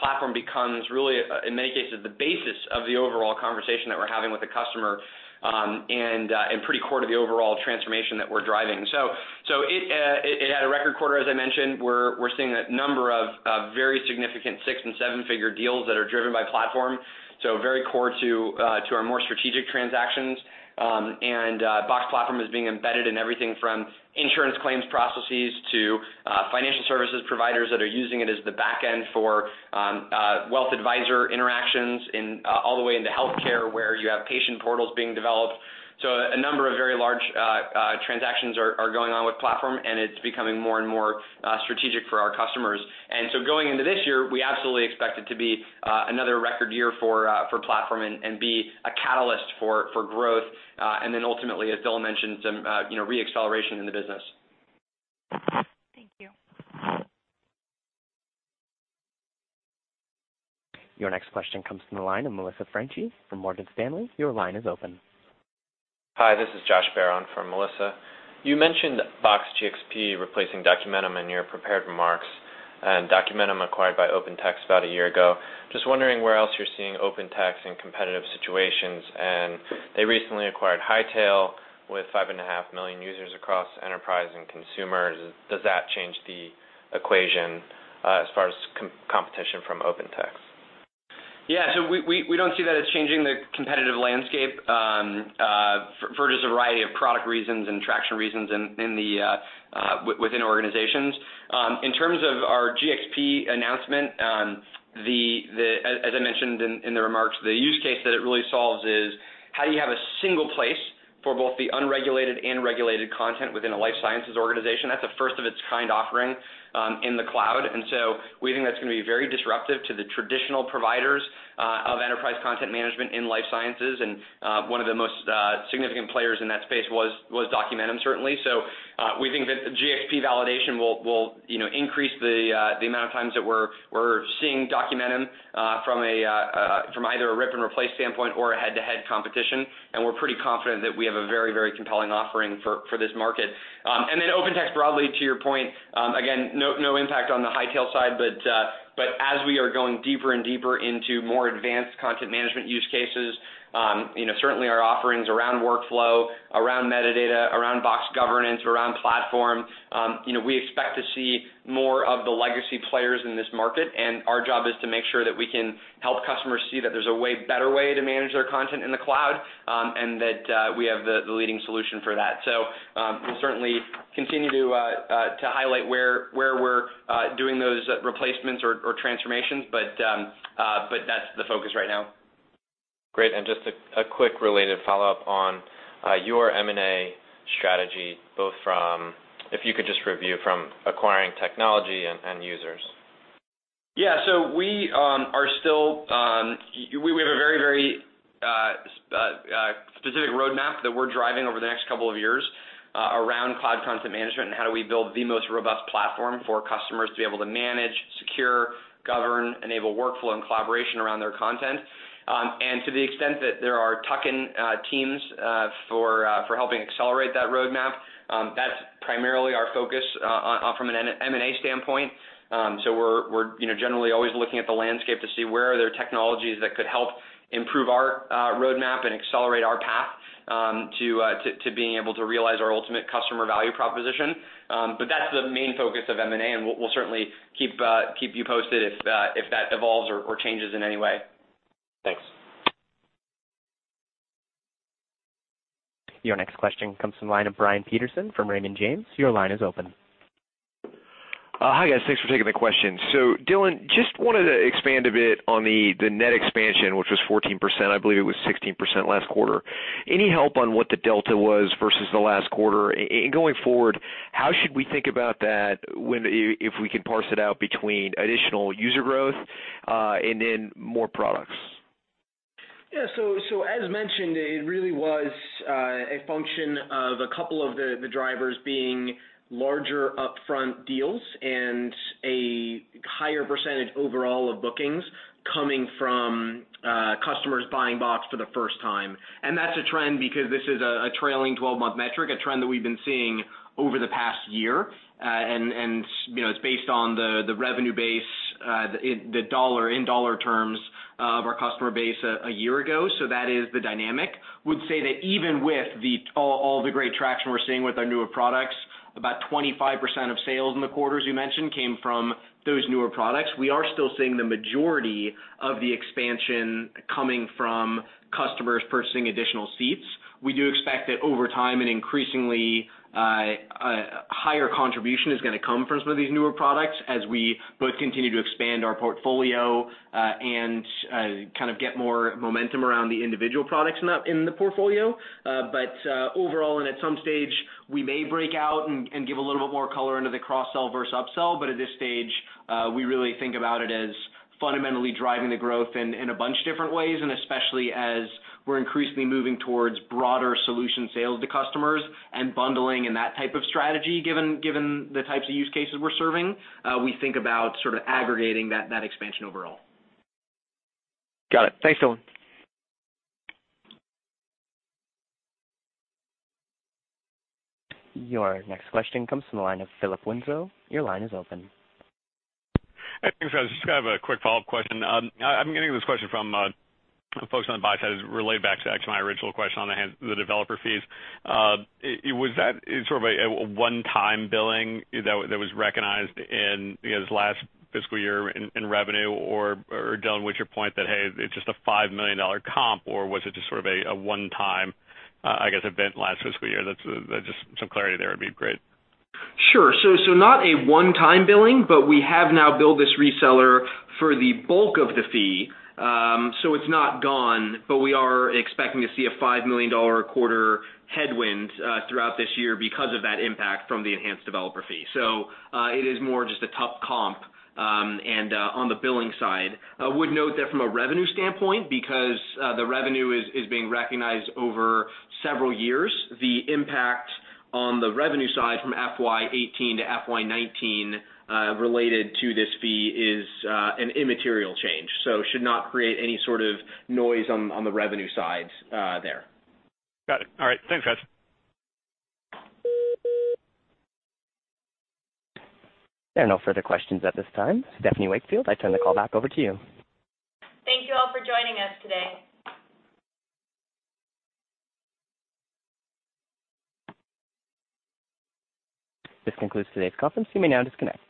Platform becomes really, in many cases, the basis of the overall conversation that we're having with the customer and pretty core to the overall transformation that we're driving. It had a record quarter, as I mentioned. We're seeing a number of very significant six and seven-figure deals that are driven by Platform, very core to our more strategic transactions. Box Platform is being embedded in everything from insurance claims processes to financial services providers that are using it as the back end for wealth advisor interactions, all the way into healthcare, where you have patient portals being developed. A number of very large transactions are going on with Platform, and it's becoming more and more strategic for our customers. Going into this year, we absolutely expect it to be another record year for Platform and be a catalyst for growth, then ultimately, as Dylan mentioned, some re-acceleration in the business. Thank you. Your next question comes from the line of Melissa Franchi from Morgan Stanley. Your line is open. Hi, this is Josh Baer for Melissa. You mentioned Box GxP replacing Documentum in your prepared remarks, Documentum acquired by OpenText about a year ago. Just wondering where else you're seeing OpenText in competitive situations. They recently acquired Hightail with five and a half million users across enterprise and consumers. Does that change the equation as far as competition from OpenText? Yeah. We don't see that it's changing the competitive landscape for just a variety of product reasons and traction reasons within organizations. In terms of our GxP announcement, as I mentioned in the remarks, the use case that it really solves is how you have a single place for both the unregulated and regulated content within a life sciences organization. That's a first-of-its-kind offering in the cloud, we think that's going to be very disruptive to the traditional providers of enterprise content management in life sciences. One of the most significant players in that space was Documentum, certainly. We think that GxP validation will increase the amount of times that we're seeing Documentum from either a rip-and-replace standpoint or a head-to-head competition. We're pretty confident that we have a very compelling offering for this market. OpenText broadly, to your point, again, no impact on the Hightail side, but as we are going deeper and deeper into more advanced content management use cases, certainly our offerings around workflow, around metadata, around Box Governance, around Box Platform, we expect to see more of the legacy players in this market, and our job is to make sure that we can help customers see that there's a way better way to manage their content in the cloud and that we have the leading solution for that. We'll certainly continue to highlight where we're doing those replacements or transformations, but that's the focus right now. Great. Just a quick related follow-up on your M&A strategy, both from, if you could just review from acquiring technology and end users. Yeah. We have a very specific roadmap that we're driving over the next couple of years around cloud content management and how do we build the most robust platform for customers to be able to manage, secure, govern, enable workflow and collaboration around their content. To the extent that there are tuck-in teams for helping accelerate that roadmap, that's primarily our focus from an M&A standpoint. We're generally always looking at the landscape to see where are there technologies that could help improve our roadmap and accelerate our path to being able to realize our ultimate customer value proposition. That's the main focus of M&A, and we'll certainly keep you posted if that evolves or changes in any way. Thanks. Your next question comes from the line of Brian Peterson from Raymond James. Your line is open. Hi, guys. Thanks for taking the question. Dylan, just wanted to expand a bit on the net expansion, which was 14%. I believe it was 16% last quarter. Any help on what the delta was versus the last quarter? Going forward, how should we think about that if we can parse it out between additional user growth and then more products? Yeah. As mentioned, it really was a function of a couple of the drivers being larger upfront deals and a higher percentage overall of bookings coming from Customers buying Box for the first time. That's a trend because this is a trailing 12-month metric, a trend that we've been seeing over the past year. It's based on the revenue base, in dollar terms, of our customer base a year ago. That is the dynamic. Would say that even with all the great traction we're seeing with our newer products, about 25% of sales in the quarters you mentioned came from those newer products. We are still seeing the majority of the expansion coming from customers purchasing additional seats. We do expect that over time, an increasingly higher contribution is going to come from some of these newer products as we both continue to expand our portfolio, and kind of get more momentum around the individual products in the portfolio. Overall, at some stage, we may break out and give a little bit more color into the cross-sell versus upsell, at this stage, we really think about it as fundamentally driving the growth in a bunch of different ways, and especially as we're increasingly moving towards broader solution sales to customers and bundling and that type of strategy, given the types of use cases we're serving. We think about sort of aggregating that expansion overall. Got it. Thanks, Dylan. Your next question comes from the line of Philip Winslow. Your line is open. Hey, thanks, guys. Just have a quick follow-up question. I'm getting this question from folks on the buy side, it's related back to actually my original question on the developer fees. Was that sort of a one-time billing that was recognized in this last fiscal year in revenue? Dylan, was your point that, hey, it's just a $5 million comp, or was it just sort of a one-time, I guess, event last fiscal year? Just some clarity there would be great. Sure. Not a one-time billing, but we have now billed this reseller for the bulk of the fee. It's not gone, but we are expecting to see a $5 million a quarter headwind throughout this year because of that impact from the enhanced developer fee. It is more just a tough comp, and on the billing side. I would note that from a revenue standpoint, because the revenue is being recognized over several years, the impact on the revenue side from FY 2018 to FY 2019 related to this fee is an immaterial change. Should not create any sort of noise on the revenue side there. Got it. All right. Thanks, guys. There are no further questions at this time. Stephanie Wakefield, I turn the call back over to you. Thank you all for joining us today. This concludes today's conference. You may now disconnect.